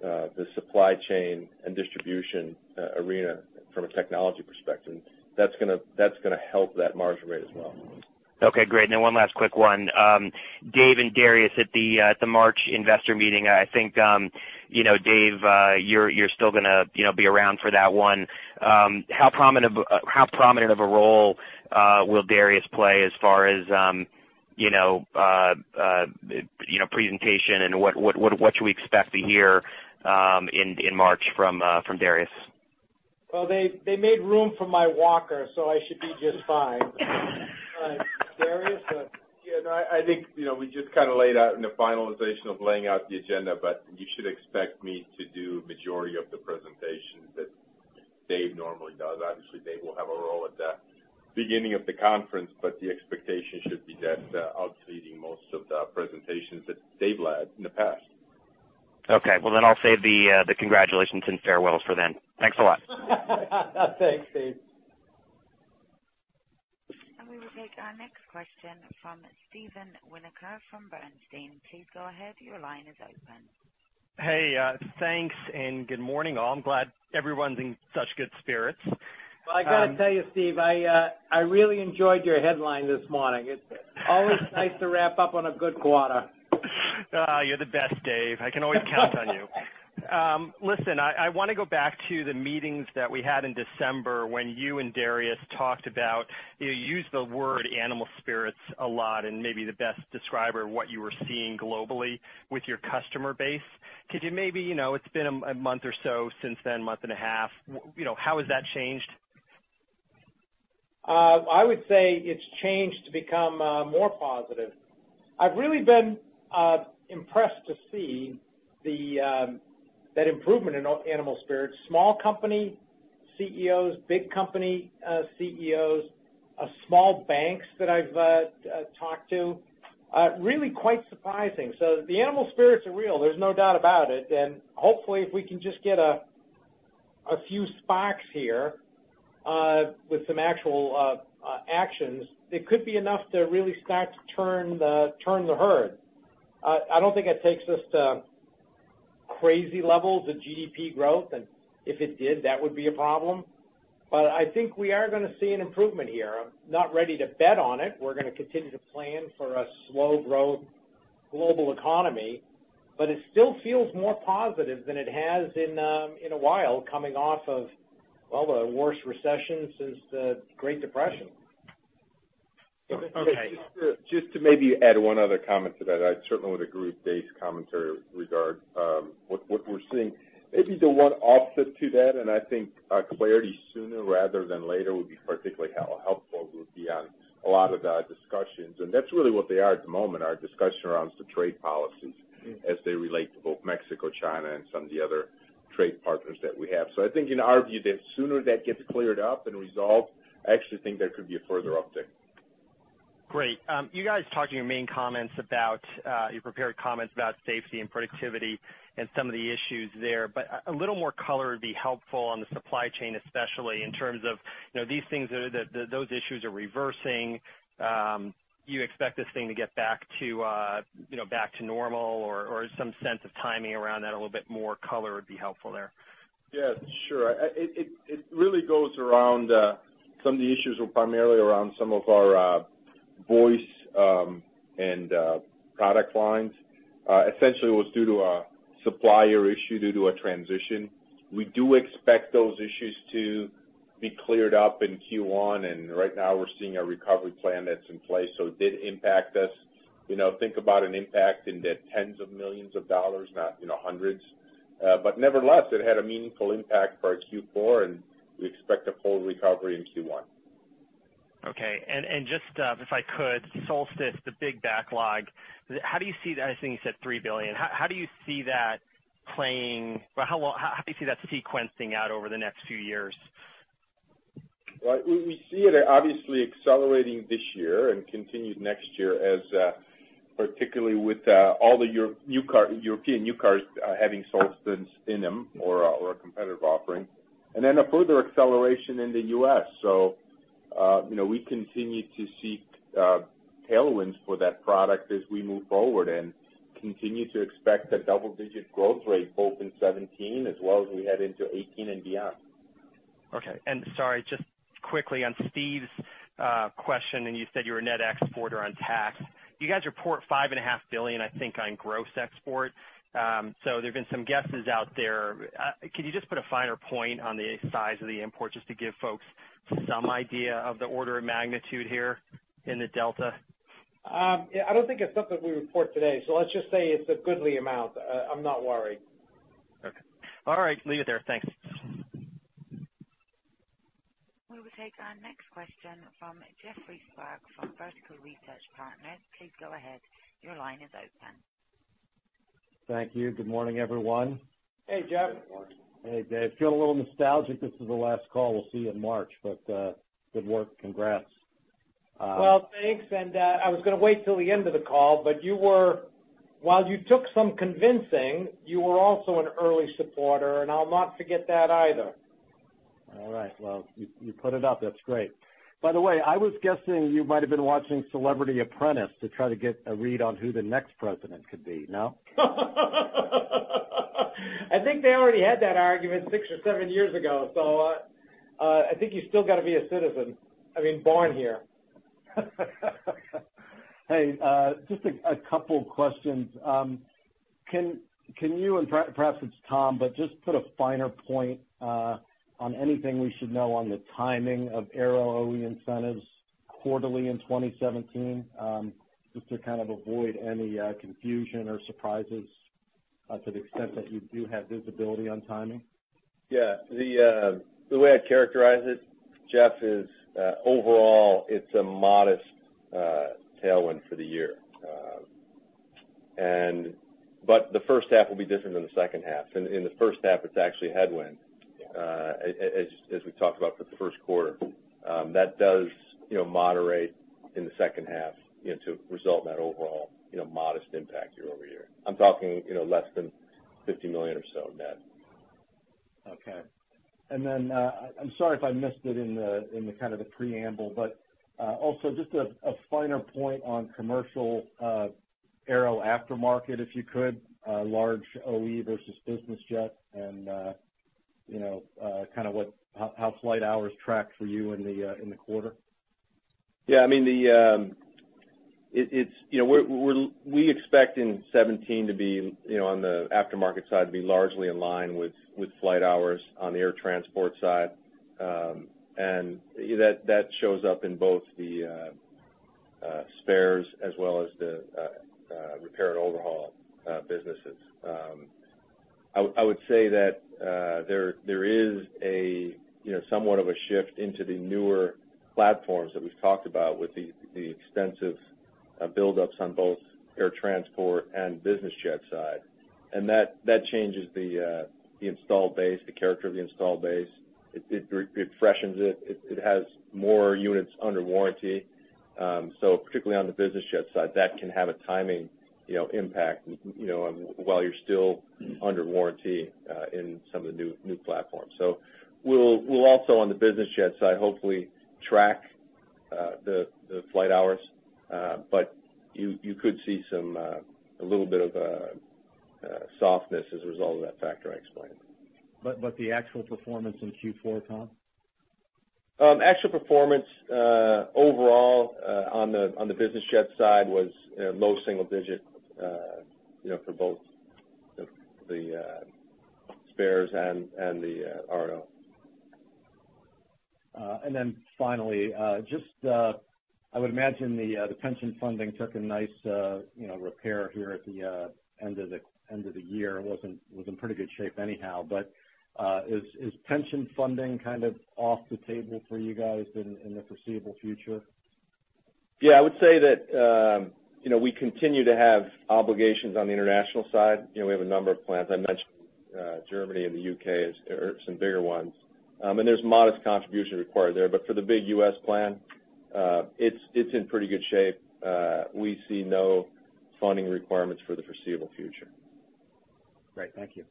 the supply chain and distribution arena from a technology perspective. That's going to help that margin rate as well. Okay, great. One last quick one. Dave and Darius at the March investor meeting, I think, Dave, you're still going to be around for that one. How prominent of a role will Darius play as far as presentation and what should we expect to hear in March from Darius? Well, they made room for my walker, so I should be just fine. Darius? Yeah, no, I think we just kind of laid out in the finalization of laying out the agenda. You should expect me to do majority of the presentation that Dave normally does. Obviously, Dave will have a role at the beginning of the conference. The expectation should be that I'll be leading most of the presentations that Dave led in the past. Okay. I'll save the congratulations and farewells for then. Thanks a lot. Thanks, Steve. We will take our next question from Steven Winoker from Bernstein. Please go ahead. Your line is open. Hey, thanks, good morning, all. I'm glad everyone's in such good spirits. Well, I got to tell you, Steve, I really enjoyed your headline this morning. It's always nice to wrap up on a good quarter. You're the best, Dave. I can always count on you. Listen, I want to go back to the meetings that we had in December when you and Darius talked about, you used the word animal spirits a lot, maybe the best describer of what you were seeing globally with your customer base. Could you maybe, it's been a month or so since then, a month and a half, how has that changed? I would say it's changed to become more positive. I've really been impressed to see that improvement in animal spirits. Small company CEOs, big company CEOs, small banks that I've talked to, really quite surprising. The animal spirits are real, there's no doubt about it. Hopefully if we can just get a few sparks here with some actual actions. It could be enough to really start to turn the herd. I don't think it takes us to crazy levels of GDP growth, if it did, that would be a problem. I think we are going to see an improvement here. I'm not ready to bet on it. We're going to continue to plan for a slow growth global economy, it still feels more positive than it has in a while, coming off of, well, the worst recession since the Great Depression. Okay. Just to maybe add one other comment to that. I certainly would agree with Dave's commentary regarding what we're seeing. Maybe the one offset to that, and I think clarity sooner rather than later would be particularly helpful, would be on a lot of our discussions. That's really what they are at the moment, are discussions around some trade policies as they relate to both Mexico, China, and some of the other trade partners that we have. I think in our view, the sooner that gets cleared up and resolved, I actually think there could be a further uptick. Great. You guys talked in your prepared comments about safety and productivity and some of the issues there, but a little more color would be helpful on the supply chain, especially in terms of those issues are reversing. You expect this thing to get back to normal or some sense of timing around that? A little bit more color would be helpful there. Yeah, sure. It really goes around some of the issues were primarily around some of our voice and product lines. Essentially, it was due to a supplier issue due to a transition. We do expect those issues to be cleared up in Q1, and right now we're seeing a recovery plan that's in place. It did impact us. Think about an impact in the tens of millions of dollars, not hundreds of dollars. Nevertheless, it had a meaningful impact for our Q4, and we expect a full recovery in Q1. Okay. Just if I could, Solstice, the big backlog. I think you said $3 billion. How do you see that sequencing out over the next few years? Well, we see it obviously accelerating this year and continued next year, particularly with all the European new cars having Solstice in them or a competitive offering. A further acceleration in the U.S. We continue to seek tailwinds for that product as we move forward and continue to expect a double-digit growth rate both in 2017 as well as we head into 2018 and beyond. Okay. Sorry, just quickly on Steve's question, you said you're a net exporter on tax. You guys report $5.5 billion, I think, on gross export. There've been some guesses out there. Can you just put a finer point on the size of the import, just to give folks some idea of the order of magnitude here in the delta? I don't think it's something we report today, let's just say it's a goodly amount. I'm not worried. Okay. All right. Leave it there. Thanks. We will take our next question from Jeffrey Sprague from Vertical Research Partners. Please go ahead. Your line is open. Thank you. Good morning, everyone. Hey, Jeff. Hey, Dave. Feeling a little nostalgic. This is the last call we'll see you in March. Good work. Congrats. Well, thanks, I was going to wait till the end of the call, while you took some convincing, you were also an early supporter, I'll not forget that either. All right. Well, you put it up. That's great. By the way, I was guessing you might've been watching "Celebrity Apprentice" to try to get a read on who the next president could be. No? I think they already had that argument six or seven years ago. I think you still got to be a citizen. I mean, born here. Hey, just a couple questions. Can you, and perhaps it's Tom, but just put a finer point on anything we should know on the timing of Aero OE incentives quarterly in 2017, just to kind of avoid any confusion or surprises to the extent that you do have visibility on timing. Yeah. The way I characterize it, Jeff, is, overall, it's a modest tailwind for the year. The first half will be different than the second half. In the first half, it's actually a headwind. Yeah. As we talked about for the first quarter. That does moderate in the second half to result in that overall modest impact year-over-year. I'm talking less than $50 million or so net. Okay. I'm sorry if I missed it in the preamble, just a finer point on commercial Aero aftermarket, if you could, large OE versus business jet, and how flight hours track for you in the quarter. Yeah. We expect in 2017 to be, on the aftermarket side, to be largely in line with flight hours on the air transport side. That shows up in both the spares as well as the repair and overhaul businesses. I would say that there is somewhat of a shift into the newer platforms that we've talked about with the extensive buildups on both air transport and business jet side. That changes the install base, the character of the install base. It freshens it. It has more units under warranty Particularly on the business jet side, that can have a timing impact, while you're still under warranty in some of the new platforms. We'll also, on the business jet side, hopefully track the flight hours. But you could see a little bit of a softness as a result of that factor I explained. The actual performance in Q4, Tom? Actual performance overall, on the business jet side, was low single digit for both the spares and the R&O. Finally, I would imagine the pension funding took a nice repair here at the end of the year. It was in pretty good shape anyhow, but is pension funding off the table for you guys in the foreseeable future? I would say that we continue to have obligations on the international side. We have a number of plans. I mentioned Germany and the U.K. are some bigger ones. There's modest contribution required there. For the big U.S. plan, it's in pretty good shape. We see no funding requirements for the foreseeable future. Great. Thank you.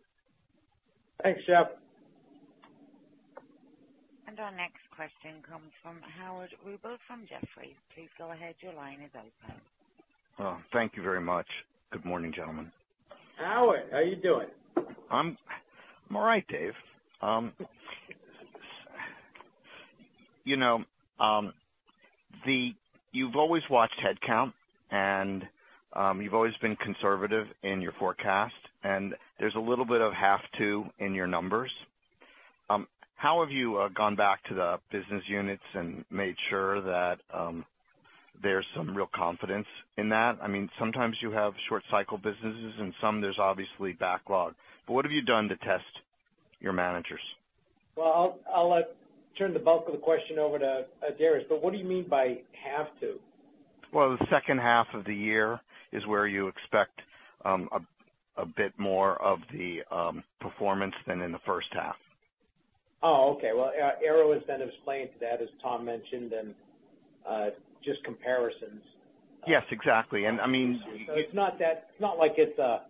Thanks, Jeff. Our next question comes from Howard Rubel from Jefferies. Please go ahead, your line is open. Thank you very much. Good morning, gentlemen. Howard, how are you doing? I'm all right, Dave. You've always watched headcount, and you've always been conservative in your forecast, and there's a little bit of have to in your numbers. How have you gone back to the business units and made sure that there's some real confidence in that? Sometimes you have short cycle businesses and some there's obviously backlog, but what have you done to test your managers? Well, I'll turn the bulk of the question over to Darius, but what do you mean by have to? Well, the second half of the year is where you expect a bit more of the performance than in the first half. Oh, okay. Well, Aero has been explaining to that, as Tom mentioned, and just comparisons. Yes, exactly. I mean It's not like it's a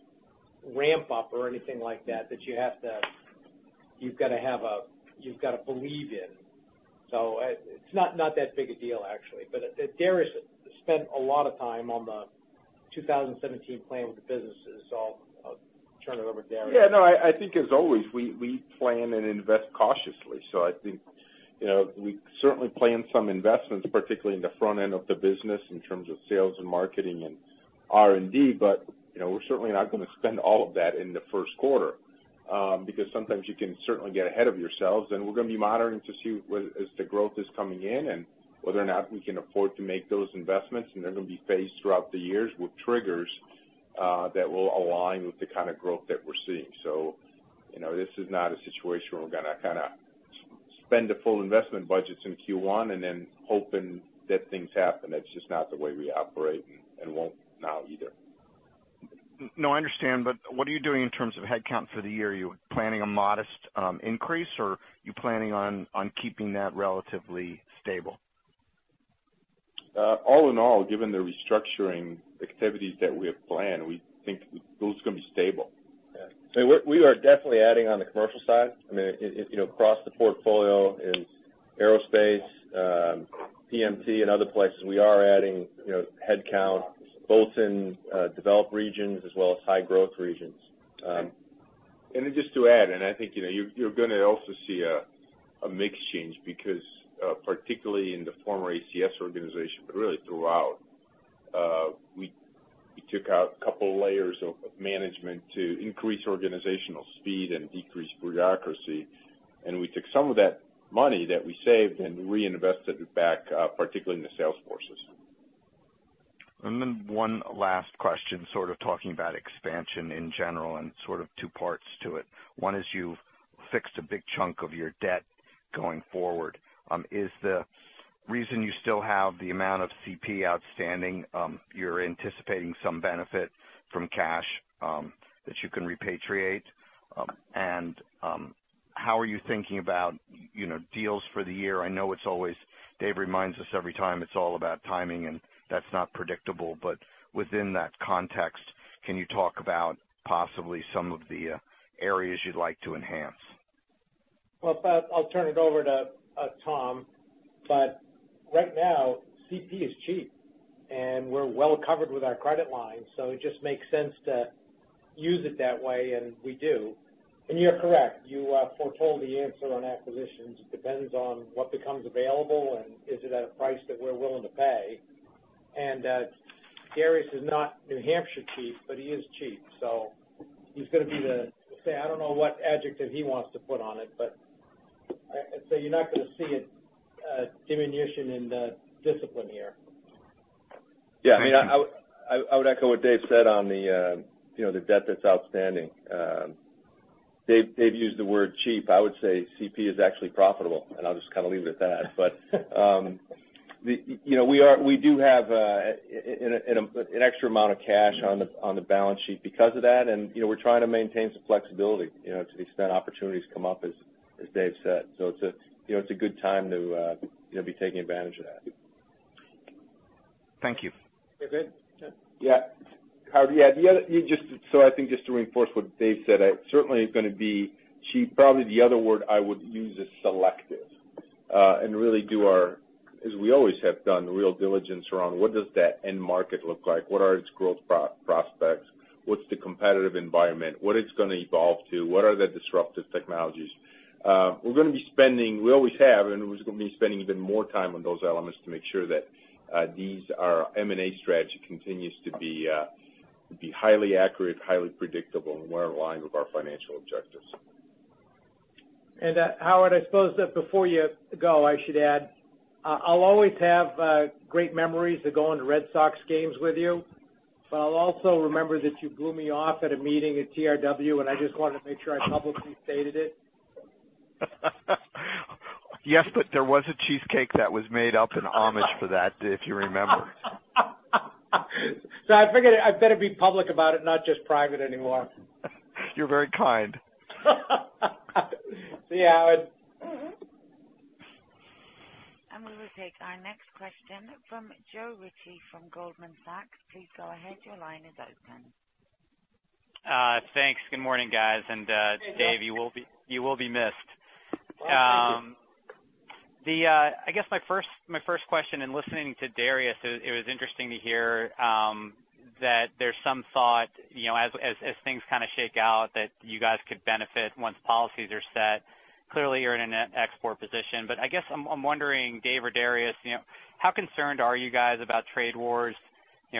ramp-up or anything like that you've got to believe in. It's not that big a deal, actually. Darius spent a lot of time on the 2017 plan with the businesses, I'll turn it over to Darius. As always, we plan and invest cautiously. We certainly plan some investments, particularly in the front end of the business in terms of sales and marketing and R&D, but we're certainly not going to spend all of that in the first quarter. Sometimes you can certainly get ahead of yourselves, and we're going to be monitoring to see as the growth is coming in and whether or not we can afford to make those investments. They're going to be phased throughout the years with triggers that will align with the kind of growth that we're seeing. This is not a situation where we're going to spend the full investment budgets in Q1 and then hoping that things happen. That's just not the way we operate, and won't now either. I understand. What are you doing in terms of headcount for the year? Are you planning a modest increase, or are you planning on keeping that relatively stable? All in all, given the restructuring activities that we have planned, we think those are going to be stable. We are definitely adding on the commercial side. Across the portfolio in aerospace, PMT, and other places, we are adding headcount, both in developed regions as well as high growth regions. Just to add, I think you're going to also see a mix change because, particularly in the former ACS organization, but really throughout, we took out a couple of layers of management to increase organizational speed and decrease bureaucracy. We took some of that money that we saved and reinvested it back, particularly in the sales forces. One last question, sort of talking about expansion in general, and sort of two parts to it. One is you've fixed a big chunk of your debt going forward. Is the reason you still have the amount of CP outstanding, you're anticipating some benefit from cash that you can repatriate? How are you thinking about deals for the year? I know Dave reminds us every time, it's all about timing, and that's not predictable, but within that context, can you talk about possibly some of the areas you'd like to enhance? Well, I'll turn it over to Tom. Right now, CP is cheap, and we're well covered with our credit line, it just makes sense to use it that way, and we do. You're correct. You foretold the answer on acquisitions. It depends on what becomes available, and is it at a price that we're willing to pay. Darius is not New Hampshire cheap, but he is cheap. He's going to be the I don't know what adjective he wants to put on it, but you're not going to see a diminution in discipline here. Yeah. I would echo what Dave said on the debt that's outstanding. Dave used the word cheap. I would say CP is actually profitable, and I'll just leave it at that. We do have an extra amount of cash on the balance sheet because of that, and we're trying to maintain some flexibility to the extent opportunities come up as. As Dave said. It's a good time to be taking advantage of that. Thank you. Okay. Howard, I think just to reinforce what Dave said, certainly it's going to be cheap. Probably the other word I would use is selective. Really do our, as we always have done, the real diligence around what does that end market look like, what are its growth prospects, what's the competitive environment, what it's going to evolve to, what are the disruptive technologies. We're going to be spending, we always have, and we're just going to be spending even more time on those elements to make sure that our M&A strategy continues to be highly accurate, highly predictable, and well aligned with our financial objectives., Howard, I suppose that before you go, I should add, I'll always have great memories of going to Red Sox games with you, but I'll also remember that you blew me off at a meeting at TRW, I just wanted to make sure I publicly stated it. There was a cheesecake that was made up in homage for that, if you remember. I figured I better be public about it, not just private anymore. You're very kind. See you, Howard. We will take our next question from Joe Ritchie from Goldman Sachs. Please go ahead. Your line is open. Thanks. Good morning, guys. Dave, you will be missed. Oh, thank you. I guess my first question, in listening to Darius, it was interesting to hear that there's some thought, as things kind of shake out, that you guys could benefit once policies are set. Clearly, you're in an export position. I guess I'm wondering, Dave or Darius, how concerned are you guys about trade wars?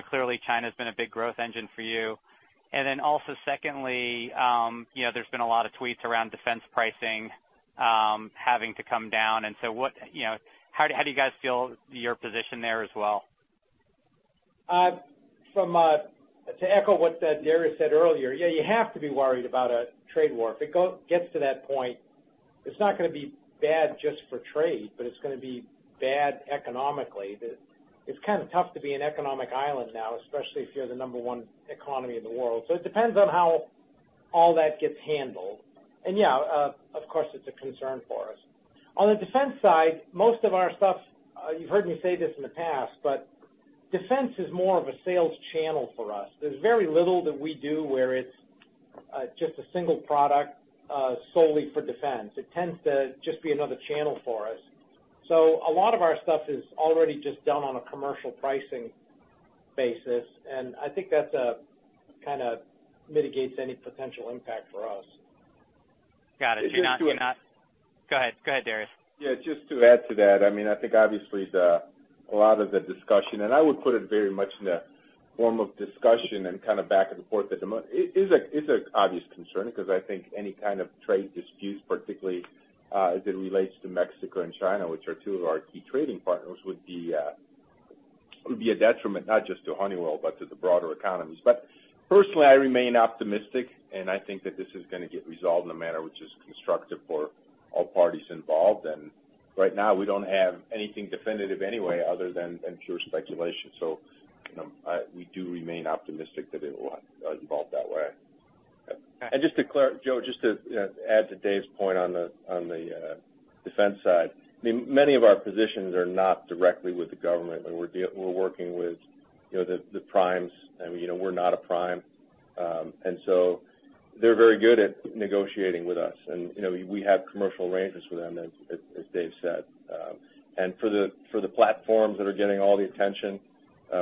Clearly China's been a big growth engine for you. Also, secondly, there's been a lot of tweets around defense pricing having to come down. How do you guys feel your position there as well? To echo what Darius said earlier, yeah, you have to be worried about a trade war. If it gets to that point, it's not going to be bad just for trade, but it's going to be bad economically. It's kind of tough to be an economic island now, especially if you're the number one economy in the world. It depends on how all that gets handled. Yeah, of course, it's a concern for us. On the defense side, most of our stuff, you've heard me say this in the past, but defense is more of a sales channel for us. There's very little that we do where it's just a single product solely for defense. It tends to just be another channel for us. A lot of our stuff is already just done on a commercial pricing basis, and I think that kind of mitigates any potential impact for us. Got it. Just to add- Go ahead, Darius. Yeah, just to add to that, I think obviously a lot of the discussion, I would put it very much in the form of discussion and kind of back and forth at the moment. It's an obvious concern because I think any kind of trade disputes, particularly as it relates to Mexico and China, which are two of our key trading partners, would be a detriment not just to Honeywell, but to the broader economies. Personally, I remain optimistic, and I think that this is going to get resolved in a manner which is constructive for all parties involved. Right now, we don't have anything definitive anyway other than pure speculation. We do remain optimistic that it will evolve that way. Joe, just to add to Dave's point on the defense side, many of our positions are not directly with the government, and we're working with the primes. We're not a prime. They're very good at negotiating with us, and we have commercial arrangements with them, as Dave said. For the platforms that are getting all the attention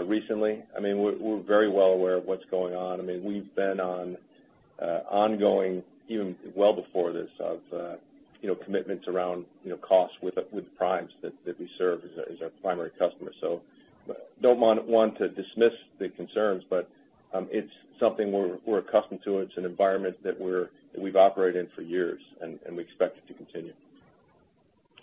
recently, we're very well aware of what's going on. We've been on ongoing, even well before this, of commitments around costs with primes that we serve as our primary customer. Don't want to dismiss the concerns, but it's something we're accustomed to. It's an environment that we've operated in for years, and we expect it to continue.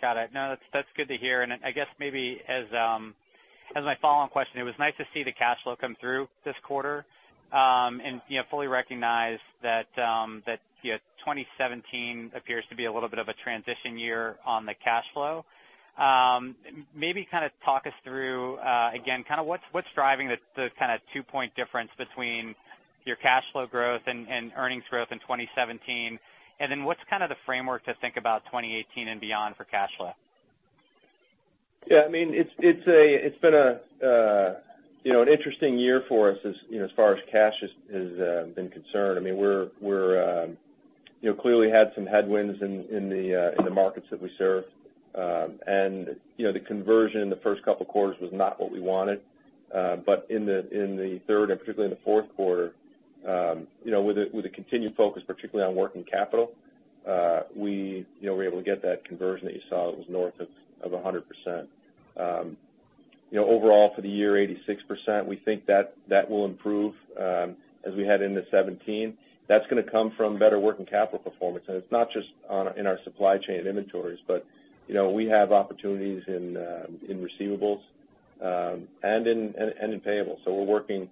Got it. No, that's good to hear. I guess maybe as my follow-on question, it was nice to see the cash flow come through this quarter, and fully recognize that 2017 appears to be a little bit of a transition year on the cash flow. Maybe kind of talk us through, again, what's driving the kind of two-point difference between your cash flow growth and earnings growth in 2017, and then what's kind of the framework to think about 2018 and beyond for cash flow? Yeah. It's been an interesting year for us as far as cash has been concerned. We clearly had some headwinds in the markets that we serve. The conversion in the first couple quarters was not what we wanted. In the third and particularly in the fourth quarter, with a continued focus, particularly on working capital, we were able to get that conversion that you saw that was north of 100%. Overall for the year, 86%, we think that will improve as we head into 2017. That's going to come from better working capital performance, and it's not just in our supply chain inventories, but we have opportunities in receivables and in payables. We're working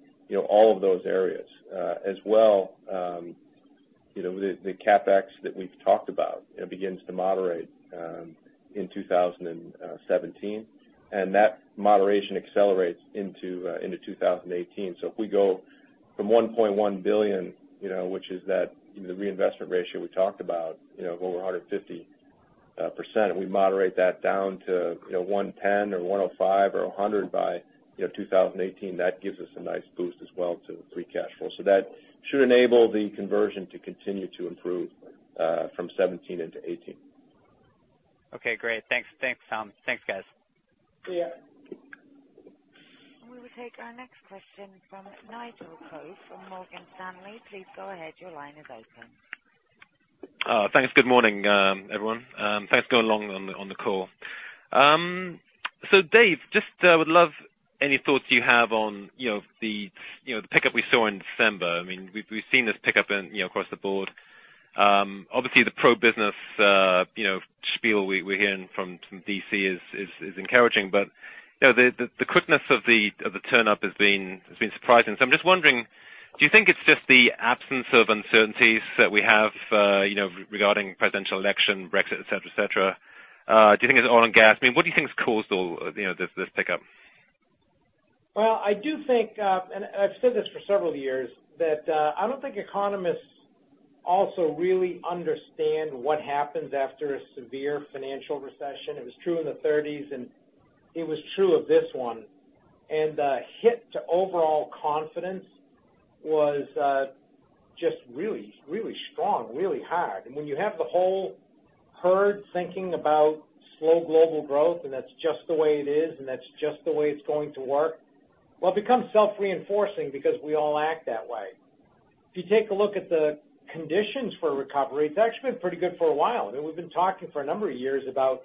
all of those areas. As well, the CapEx that we've talked about begins to moderate in 2017. That moderation accelerates into 2018. If we go from $1.1 billion, which is the reinvestment ratio we talked about, of over 150%, and we moderate that down to 110% or 105% or 100% by 2018, that gives us a nice boost as well to free cash flow. That should enable the conversion to continue to improve from 2017 into 2018. Okay, great. Thanks, Tom. Thanks, guys. See you. We will take our next question from Nigel Coe from Morgan Stanley. Please go ahead. Your line is open. Thanks. Good morning, everyone. Thanks for going along on the call. Dave, just would love any thoughts you have on the pickup we saw in December. We've seen this pickup across the board. Obviously, the pro-business spiel we're hearing from D.C. is encouraging, but the quickness of the turn-up has been surprising. I'm just wondering, do you think it's just the absence of uncertainties that we have regarding presidential election, Brexit, et cetera? Do you think it's oil and gas? What do you think has caused all this pickup? Well, I do think, and I've said this for several years, that I don't think economists also really understand what happens after a severe financial recession. It was true in the '30s, and it was true of this one. The hit to overall confidence was just really strong, really hard. When you have the whole herd thinking about slow global growth, and that's just the way it is, and that's just the way it's going to work. Well, it becomes self-reinforcing because we all act that way. If you take a look at the conditions for recovery, it's actually been pretty good for a while. We've been talking for a number of years about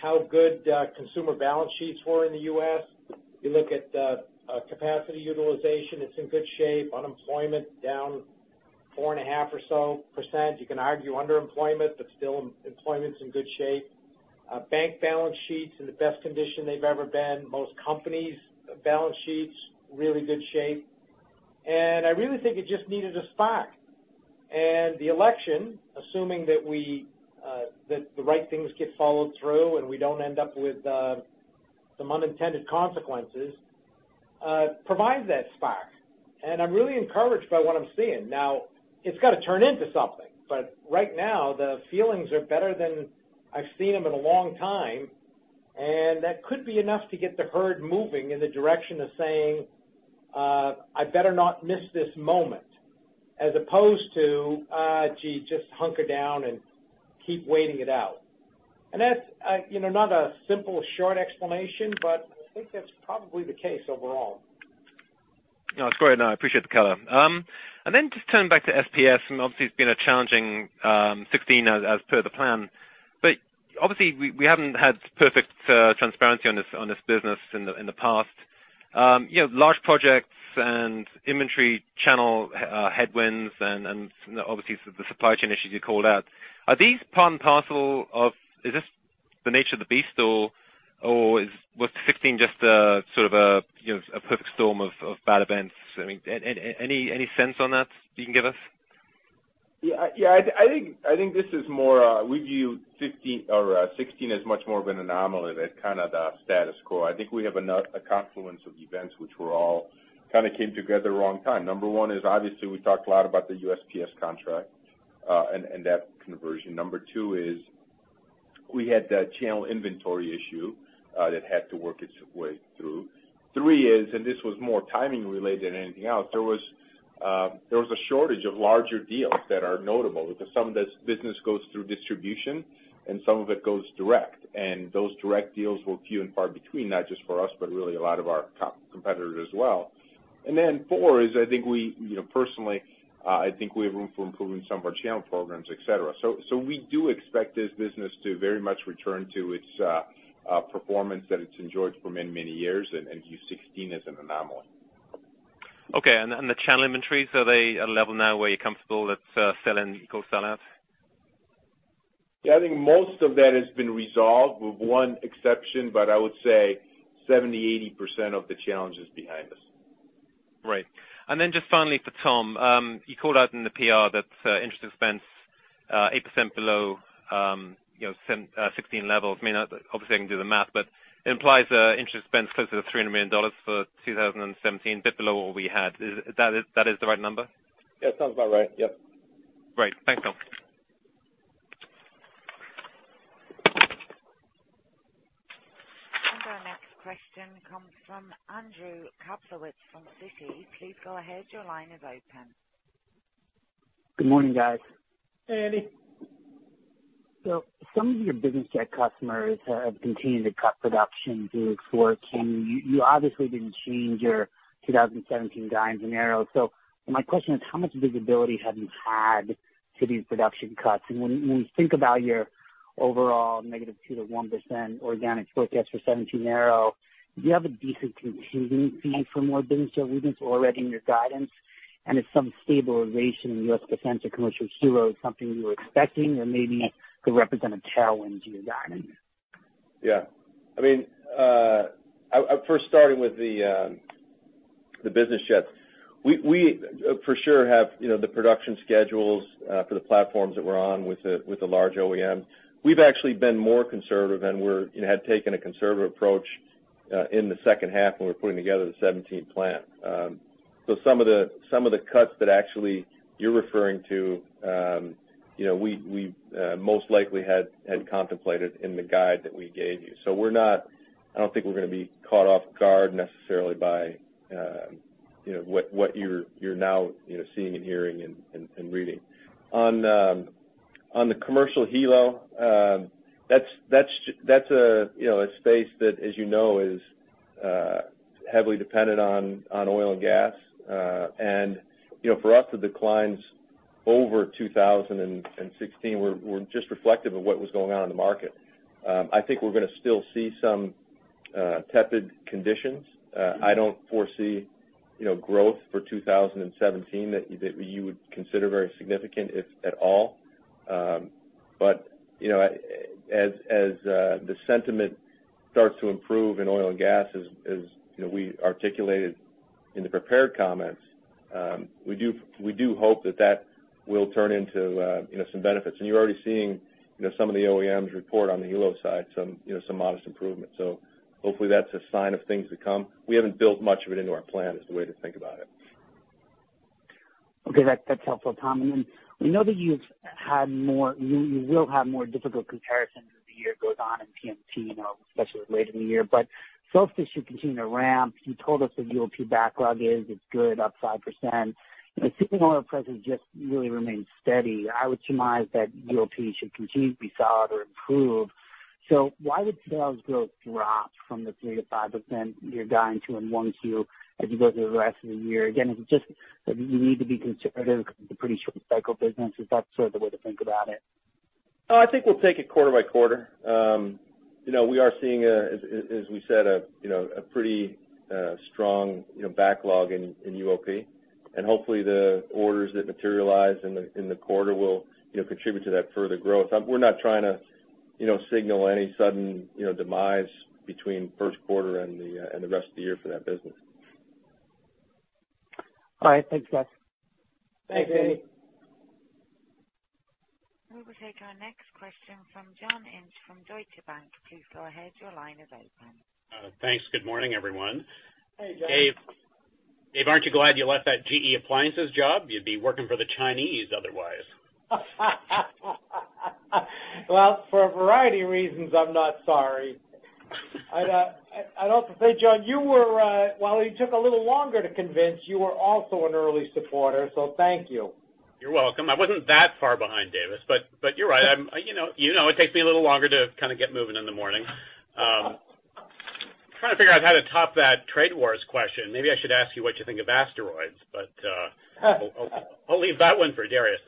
how good consumer balance sheets were in the U.S. You look at capacity utilization, it's in good shape. Unemployment down 4.5% or so. You can argue underemployment, but still employment's in good shape. Bank balance sheets in the best condition they've ever been. Most companies' balance sheets, really good shape. I really think it just needed a spark. The election, assuming that the right things get followed through, and we don't end up with some unintended consequences, provides that spark. I'm really encouraged by what I'm seeing. Now, it's got to turn into something. Right now, the feelings are better than I've seen them in a long time, and that could be enough to get the herd moving in the direction of saying, "I better not miss this moment," as opposed to, "gee, just hunker down and keep waiting it out." That's not a simple, short explanation, but I think that's probably the case overall. No, it's great. No, I appreciate the color. Just turning back to SPS, obviously it's been a challenging 2016 as per the plan. Obviously, we haven't had perfect transparency on this business in the past. Large projects and inventory channel headwinds and obviously the supply chain issues you called out. Are these part and parcel of, is this the nature of the beast? Or was 2016 just a perfect storm of bad events? Any sense on that you can give us? Yeah. I think we view 2016 as much more of an anomaly than the status quo. I think we have a confluence of events which all came together at the wrong time. Number one is obviously we talked a lot about the USPS contract, and that conversion. Number two is we had that channel inventory issue that had to work its way through. Three is, this was more timing related than anything else, there was a shortage of larger deals that are notable because some of this business goes through distribution and some of it goes direct. Those direct deals were few and far between, not just for us, but really a lot of our top competitors as well. Four is, personally, I think we have room for improving some of our channel programs, et cetera. We do expect this business to very much return to its performance that it's enjoyed for many years, and view 2016 as an anomaly. Okay. The channel inventories, are they at a level now where you're comfortable that sell-in equals sell out? Yeah, I think most of that has been resolved, with one exception, but I would say 70%-80% of the challenge is behind us. Right. Then just finally for Tom, you called out in the PR that interest expense, 8% below 2016 levels. Obviously, I can do the math, but it implies interest expense closer to $300 million for 2017, a bit below what we had. That is the right number? Yeah, sounds about right. Yep. Great. Thanks, Tom. Our next question comes from Andrew Kaplowitz from Citi. Please go ahead. Your line is open. Good morning, guys. Hey, Andy. Some of your business jet customers have continued to cut production through Q4 2016. You obviously didn't change your 2017 guidance in Aero. My question is, how much visibility have you had to these production cuts? When we think about your overall -2% to 1% organic forecast for 2017 Aero, do you have a decent continuing feel for more business or are we just already in your guidance? Is some stabilization in U.S. defense or commercial Aero something you were expecting or maybe could represent a tailwind to your guidance? Yeah. First starting with the business jets. We, for sure have the production schedules for the platforms that we're on with the large OEM. We've actually been more conservative and had taken a conservative approach in the second half when we were putting together the 2017 plan. Some of the cuts that actually you're referring to, we most likely had contemplated in the guide that we gave you. I don't think we're going to be caught off guard necessarily by what you're now seeing and hearing and reading. On the commercial helo, that's a space that, as you know, is heavily dependent on oil and gas. For us, the declines over 2016 were just reflective of what was going on in the market. I think we're going to still see some tepid conditions. I don't foresee growth for 2017 that you would consider very significant, if at all. As the sentiment starts to improve in oil and gas, as we articulated in the prepared comments, we do hope that that will turn into some benefits. You're already seeing some of the OEMs report on the helo side, some modest improvement. Hopefully that's a sign of things to come. We haven't built much of it into our plan is the way to think about it. Okay. That's helpful, Tom. We know that you will have more difficult comparisons as the year goes on in PMT, especially later in the year, but sales should continue to ramp. You told us the UOP backlog is good, up 5%. The shipping oil prices just really remain steady. I would surmise that UOP should continue to be solid or improve. Why would sales growth drop from the 3%-5% you're guiding to in 1Q as you go through the rest of the year? Again, is it just that you need to be conservative because it's a pretty short cycle business? Is that sort of the way to think about it? I think we'll take it quarter by quarter. We are seeing, as we said, a pretty strong backlog in UOP. Hopefully the orders that materialize in the quarter will contribute to that further growth. We're not trying to signal any sudden demise between first quarter and the rest of the year for that business. All right. Thanks, guys. Thanks, Andy. We will take our next question from John Inch from Deutsche Bank. Please go ahead. Your line is open. Thanks. Good morning, everyone. Hey, John. Dave, aren't you glad you left that GE Appliances job? You'd be working for the Chinese otherwise. Well, for a variety of reasons, I'm not sorry. I'd also say, John, while you took a little longer to convince, you were also an early supporter. Thank you. You're welcome. I wasn't that far behind Davis, but you're right. You know it takes me a little longer to kind of get moving in the morning. I'm trying to figure out how to top that trade wars question. Maybe I should ask you what you think of asteroids, but I'll leave that one for Darius.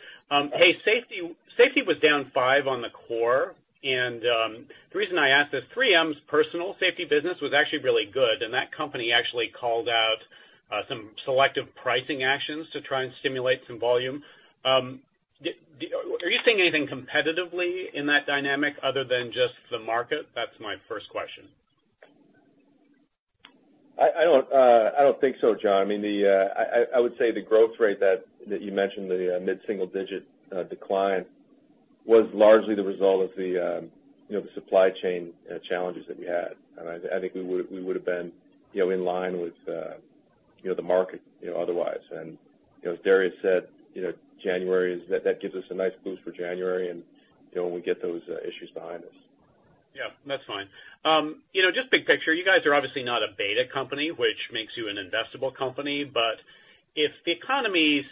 Safety was down five on the core. The reason I ask is 3M's personal safety business was actually really good. That company actually called out some selective pricing actions to try and stimulate some volume. Are you seeing anything competitively in that dynamic other than just the market? That's my first question. I don't think so, John. I would say the growth rate that you mentioned, the mid-single digit decline, was largely the result of the supply chain challenges that we had. I think we would've been in line with the market otherwise. As Darius said, that gives us a nice boost for January and when we get those issues behind us. Yeah. That's fine. Just big picture, you guys are obviously not a beta company, which makes you an investable company. If the economy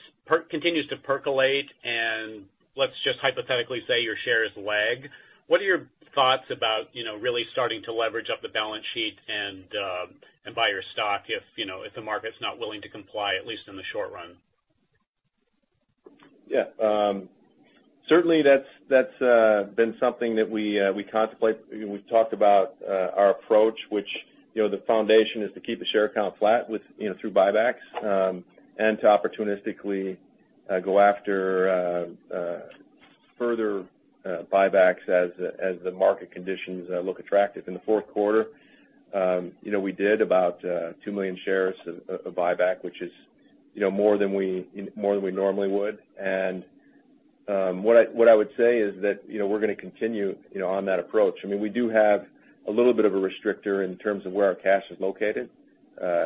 continues to percolate, and let's just hypothetically say your shares lag, what are your thoughts about really starting to leverage up the balance sheet and buy your stock if the market's not willing to comply, at least in the short run? Yeah. Certainly, that's been something that we contemplate. We've talked about our approach, which the foundation is to keep the share count flat through buybacks and to opportunistically go after further buybacks as the market conditions look attractive. In the fourth quarter, we did about 2 million shares of buyback, which is more than we normally would. What I would say is that we're going to continue on that approach. We do have a little bit of a restrictor in terms of where our cash is located.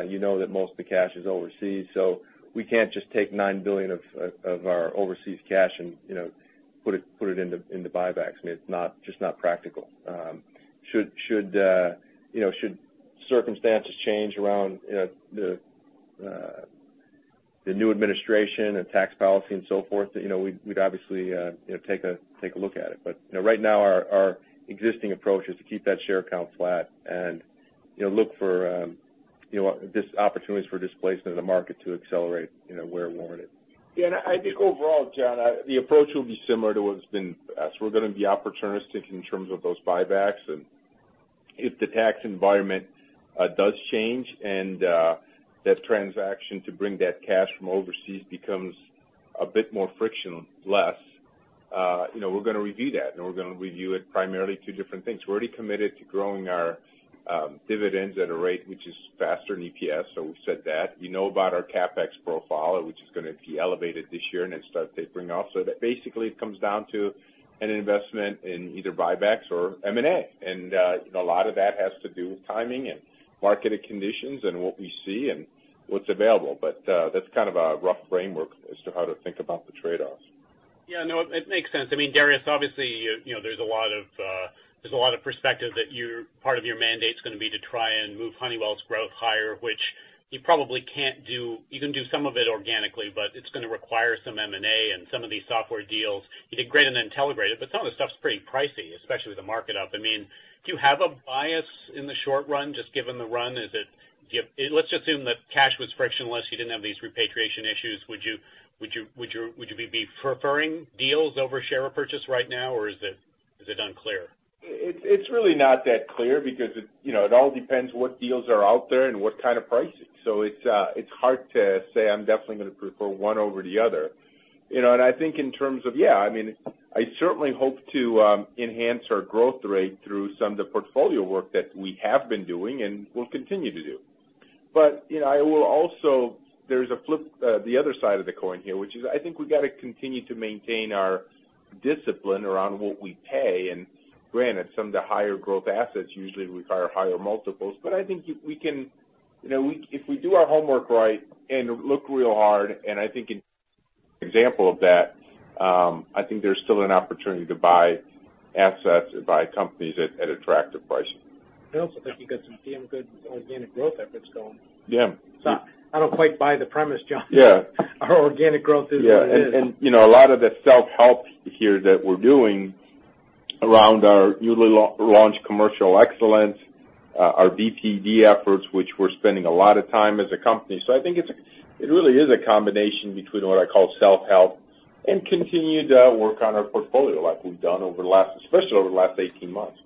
You know that most of the cash is overseas, so we can't just take $9 billion of our overseas cash and put it into buybacks. It's just not practical. Should circumstances change around the new administration and tax policy and so forth, we'd obviously take a look at it. Right now, our existing approach is to keep that share count flat and look for opportunities for displacement in the market to accelerate where warranted. Yeah, I think overall, John, the approach will be similar to what it's been. We're going to be opportunistic in terms of those buybacks. If the tax environment does change and that transaction to bring that cash from overseas becomes A bit more frictionless. We're going to review that, we're going to review it primarily two different things. We're already committed to growing our dividends at a rate which is faster than EPS, we've said that. We know about our CapEx profile, which is going to be elevated this year, then start tapering off. That basically it comes down to an investment in either buybacks or M&A. A lot of that has to do with timing and market conditions and what we see and what's available. That's kind of a rough framework as to how to think about the trade-offs. Yeah. No, it makes sense. Darius, obviously, there's a lot of perspective that part of your mandate's going to be to try and move Honeywell's growth higher, which you can do some of it organically, it's going to require some M&A and some of these software deals. You did great in Intelligrated, some of the stuff's pretty pricey, especially with the market up. Do you have a bias in the short run, just given the run? Let's assume that cash was frictionless, you didn't have these repatriation issues, would you be preferring deals over share repurchase right now, or is it unclear? It's really not that clear because it all depends what deals are out there and what kind of pricing. It's hard to say I'm definitely going to prefer one over the other. I think in terms of, yeah, I certainly hope to enhance our growth rate through some of the portfolio work that we have been doing and will continue to do. There's the other side of the coin here, which is, I think we got to continue to maintain our discipline around what we pay. Granted, some of the higher growth assets usually require higher multiples. I think if we do our homework right and look real hard, I think an example of that, I think there's still an opportunity to buy assets and buy companies at attractive prices. I also think you got some damn good organic growth efforts going. Yeah. I don't quite buy the premise, John. Yeah. Our organic growth is what it is. Yeah. A lot of the self-help here that we're doing around our newly launched commercial excellence, our BPD efforts, which we're spending a lot of time as a company. I think it really is a combination between what I call self-help and continued work on our portfolio like we've done, especially over the last 18 months.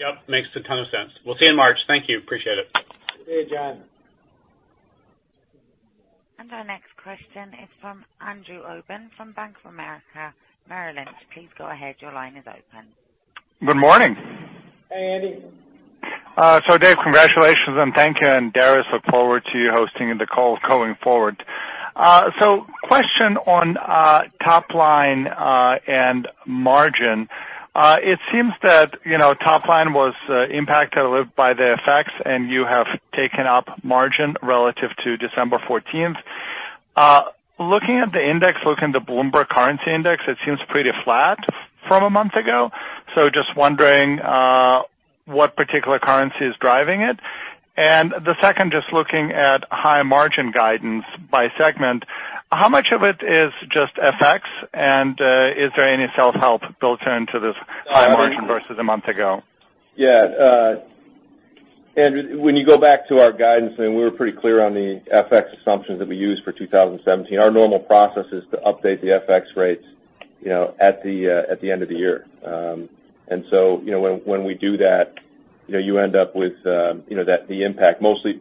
Yep, makes a ton of sense. We'll see you in March. Thank you. Appreciate it. See you, John. Our next question is from Andrew Obin from Bank of America, Merrill Lynch. Please go ahead. Your line is open. Good morning. Hey, Andy. Dave, congratulations and thank you, and Darius, look forward to you hosting the call going forward. Question on top line and margin. It seems that top line was impacted by FX, and you have taken up margin relative to December 14th. Looking at the index, looking at the Bloomberg Currency Index, it seems pretty flat from a month ago. Just wondering what particular currency is driving it. The second, just looking at high margin guidance by segment, how much of it is just FX? Is there any self-help built into this high margin versus a month ago? Yeah. Andrew, when you go back to our guidance, we were pretty clear on the FX assumptions that we used for 2017. Our normal process is to update the FX rates at the end of the year. When we do that, you end up with the impact. Mostly,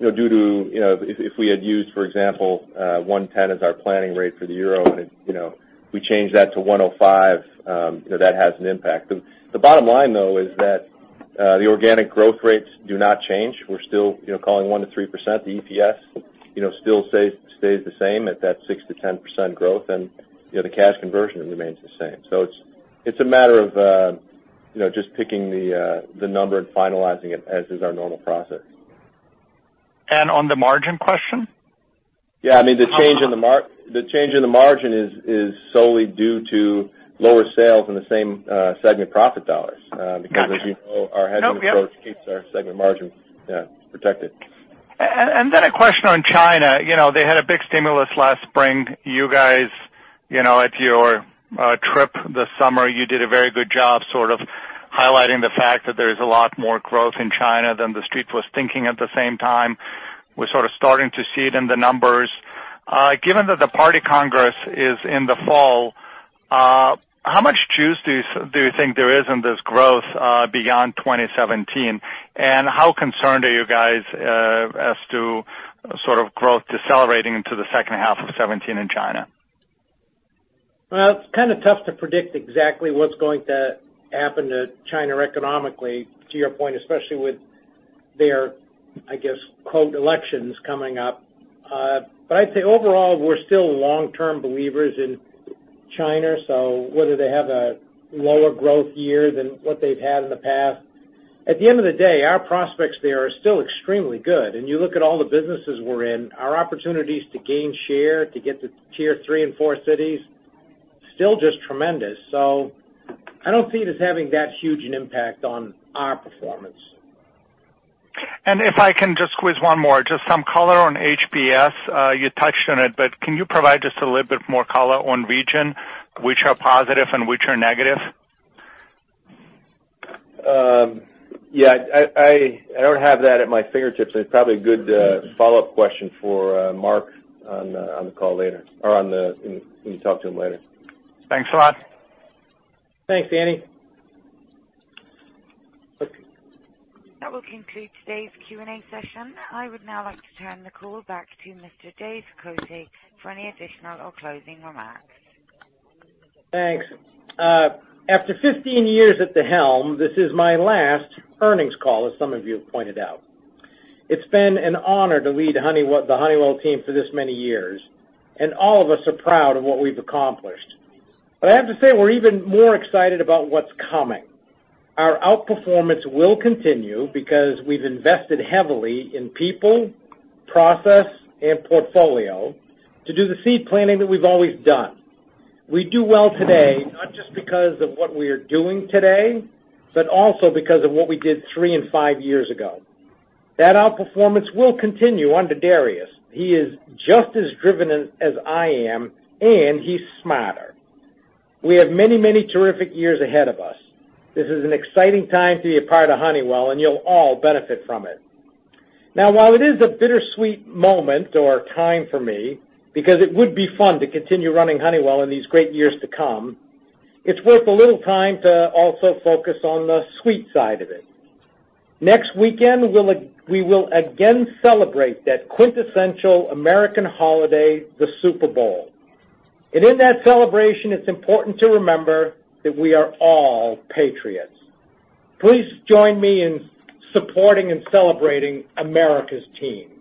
if we had used, for example, 110 as our planning rate for the EUR, and we changed that to 105, that has an impact. The bottom line, though, is that the organic growth rates do not change. We're still calling 1%-3%. The EPS still stays the same at that 6%-10% growth, and the cash conversion remains the same. It's a matter of just picking the number and finalizing it, as is our normal process. On the margin question? Yeah. The change in the margin is solely due to lower sales in the same segment profit $. Got you. As you know, our hedging approach keeps our segment margins protected. A question on China. They had a big stimulus last spring. You guys, at your trip this summer, you did a very good job sort of highlighting the fact that there's a lot more growth in China than the Street was thinking at the same time. We're sort of starting to see it in the numbers. Given that the party Congress is in the fall, how much juice do you think there is in this growth beyond 2017? How concerned are you guys as to sort of growth decelerating into the second half of 2017 in China? Well, it's kind of tough to predict exactly what's going to happen to China economically, to your point, especially with their, I guess, quote, "elections" coming up. I'd say overall, we're still long-term believers in China. Whether they have a lower growth year than what they've had in the past, at the end of the day, our prospects there are still extremely good. You look at all the businesses we're in, our opportunities to gain share, to get to tier III and IV cities, still just tremendous. I don't see it as having that huge an impact on our performance. If I can just squeeze one more, just some color on HBS. You touched on it, but can you provide just a little bit more color on region, which are positive and which are negative? Yeah. I don't have that at my fingertips. It's probably a good follow-up question for Mark when you talk to him later. Thanks a lot. Thanks, Andy. That will conclude today's Q&A session. I would now like to turn the call back to Mr. Dave Cote for any additional or closing remarks. Thanks. After 15 years at the helm, this is my last earnings call, as some of you have pointed out. It's been an honor to lead the Honeywell team for this many years, and all of us are proud of what we've accomplished. I have to say, we're even more excited about what's coming. Our outperformance will continue because we've invested heavily in people, process, and portfolio to do the seed planting that we've always done. We do well today, not just because of what we are doing today, but also because of what we did three and five years ago. That outperformance will continue under Darius. He is just as driven as I am, and he's smarter. We have many, many terrific years ahead of us. This is an exciting time to be a part of Honeywell, and you'll all benefit from it. Now, while it is a bittersweet moment or time for me, because it would be fun to continue running Honeywell in these great years to come, it's worth a little time to also focus on the sweet side of it. Next weekend, we will again celebrate that quintessential American holiday, the Super Bowl. In that celebration, it's important to remember that we are all Patriots. Please join me in supporting and celebrating America's team. Thank you.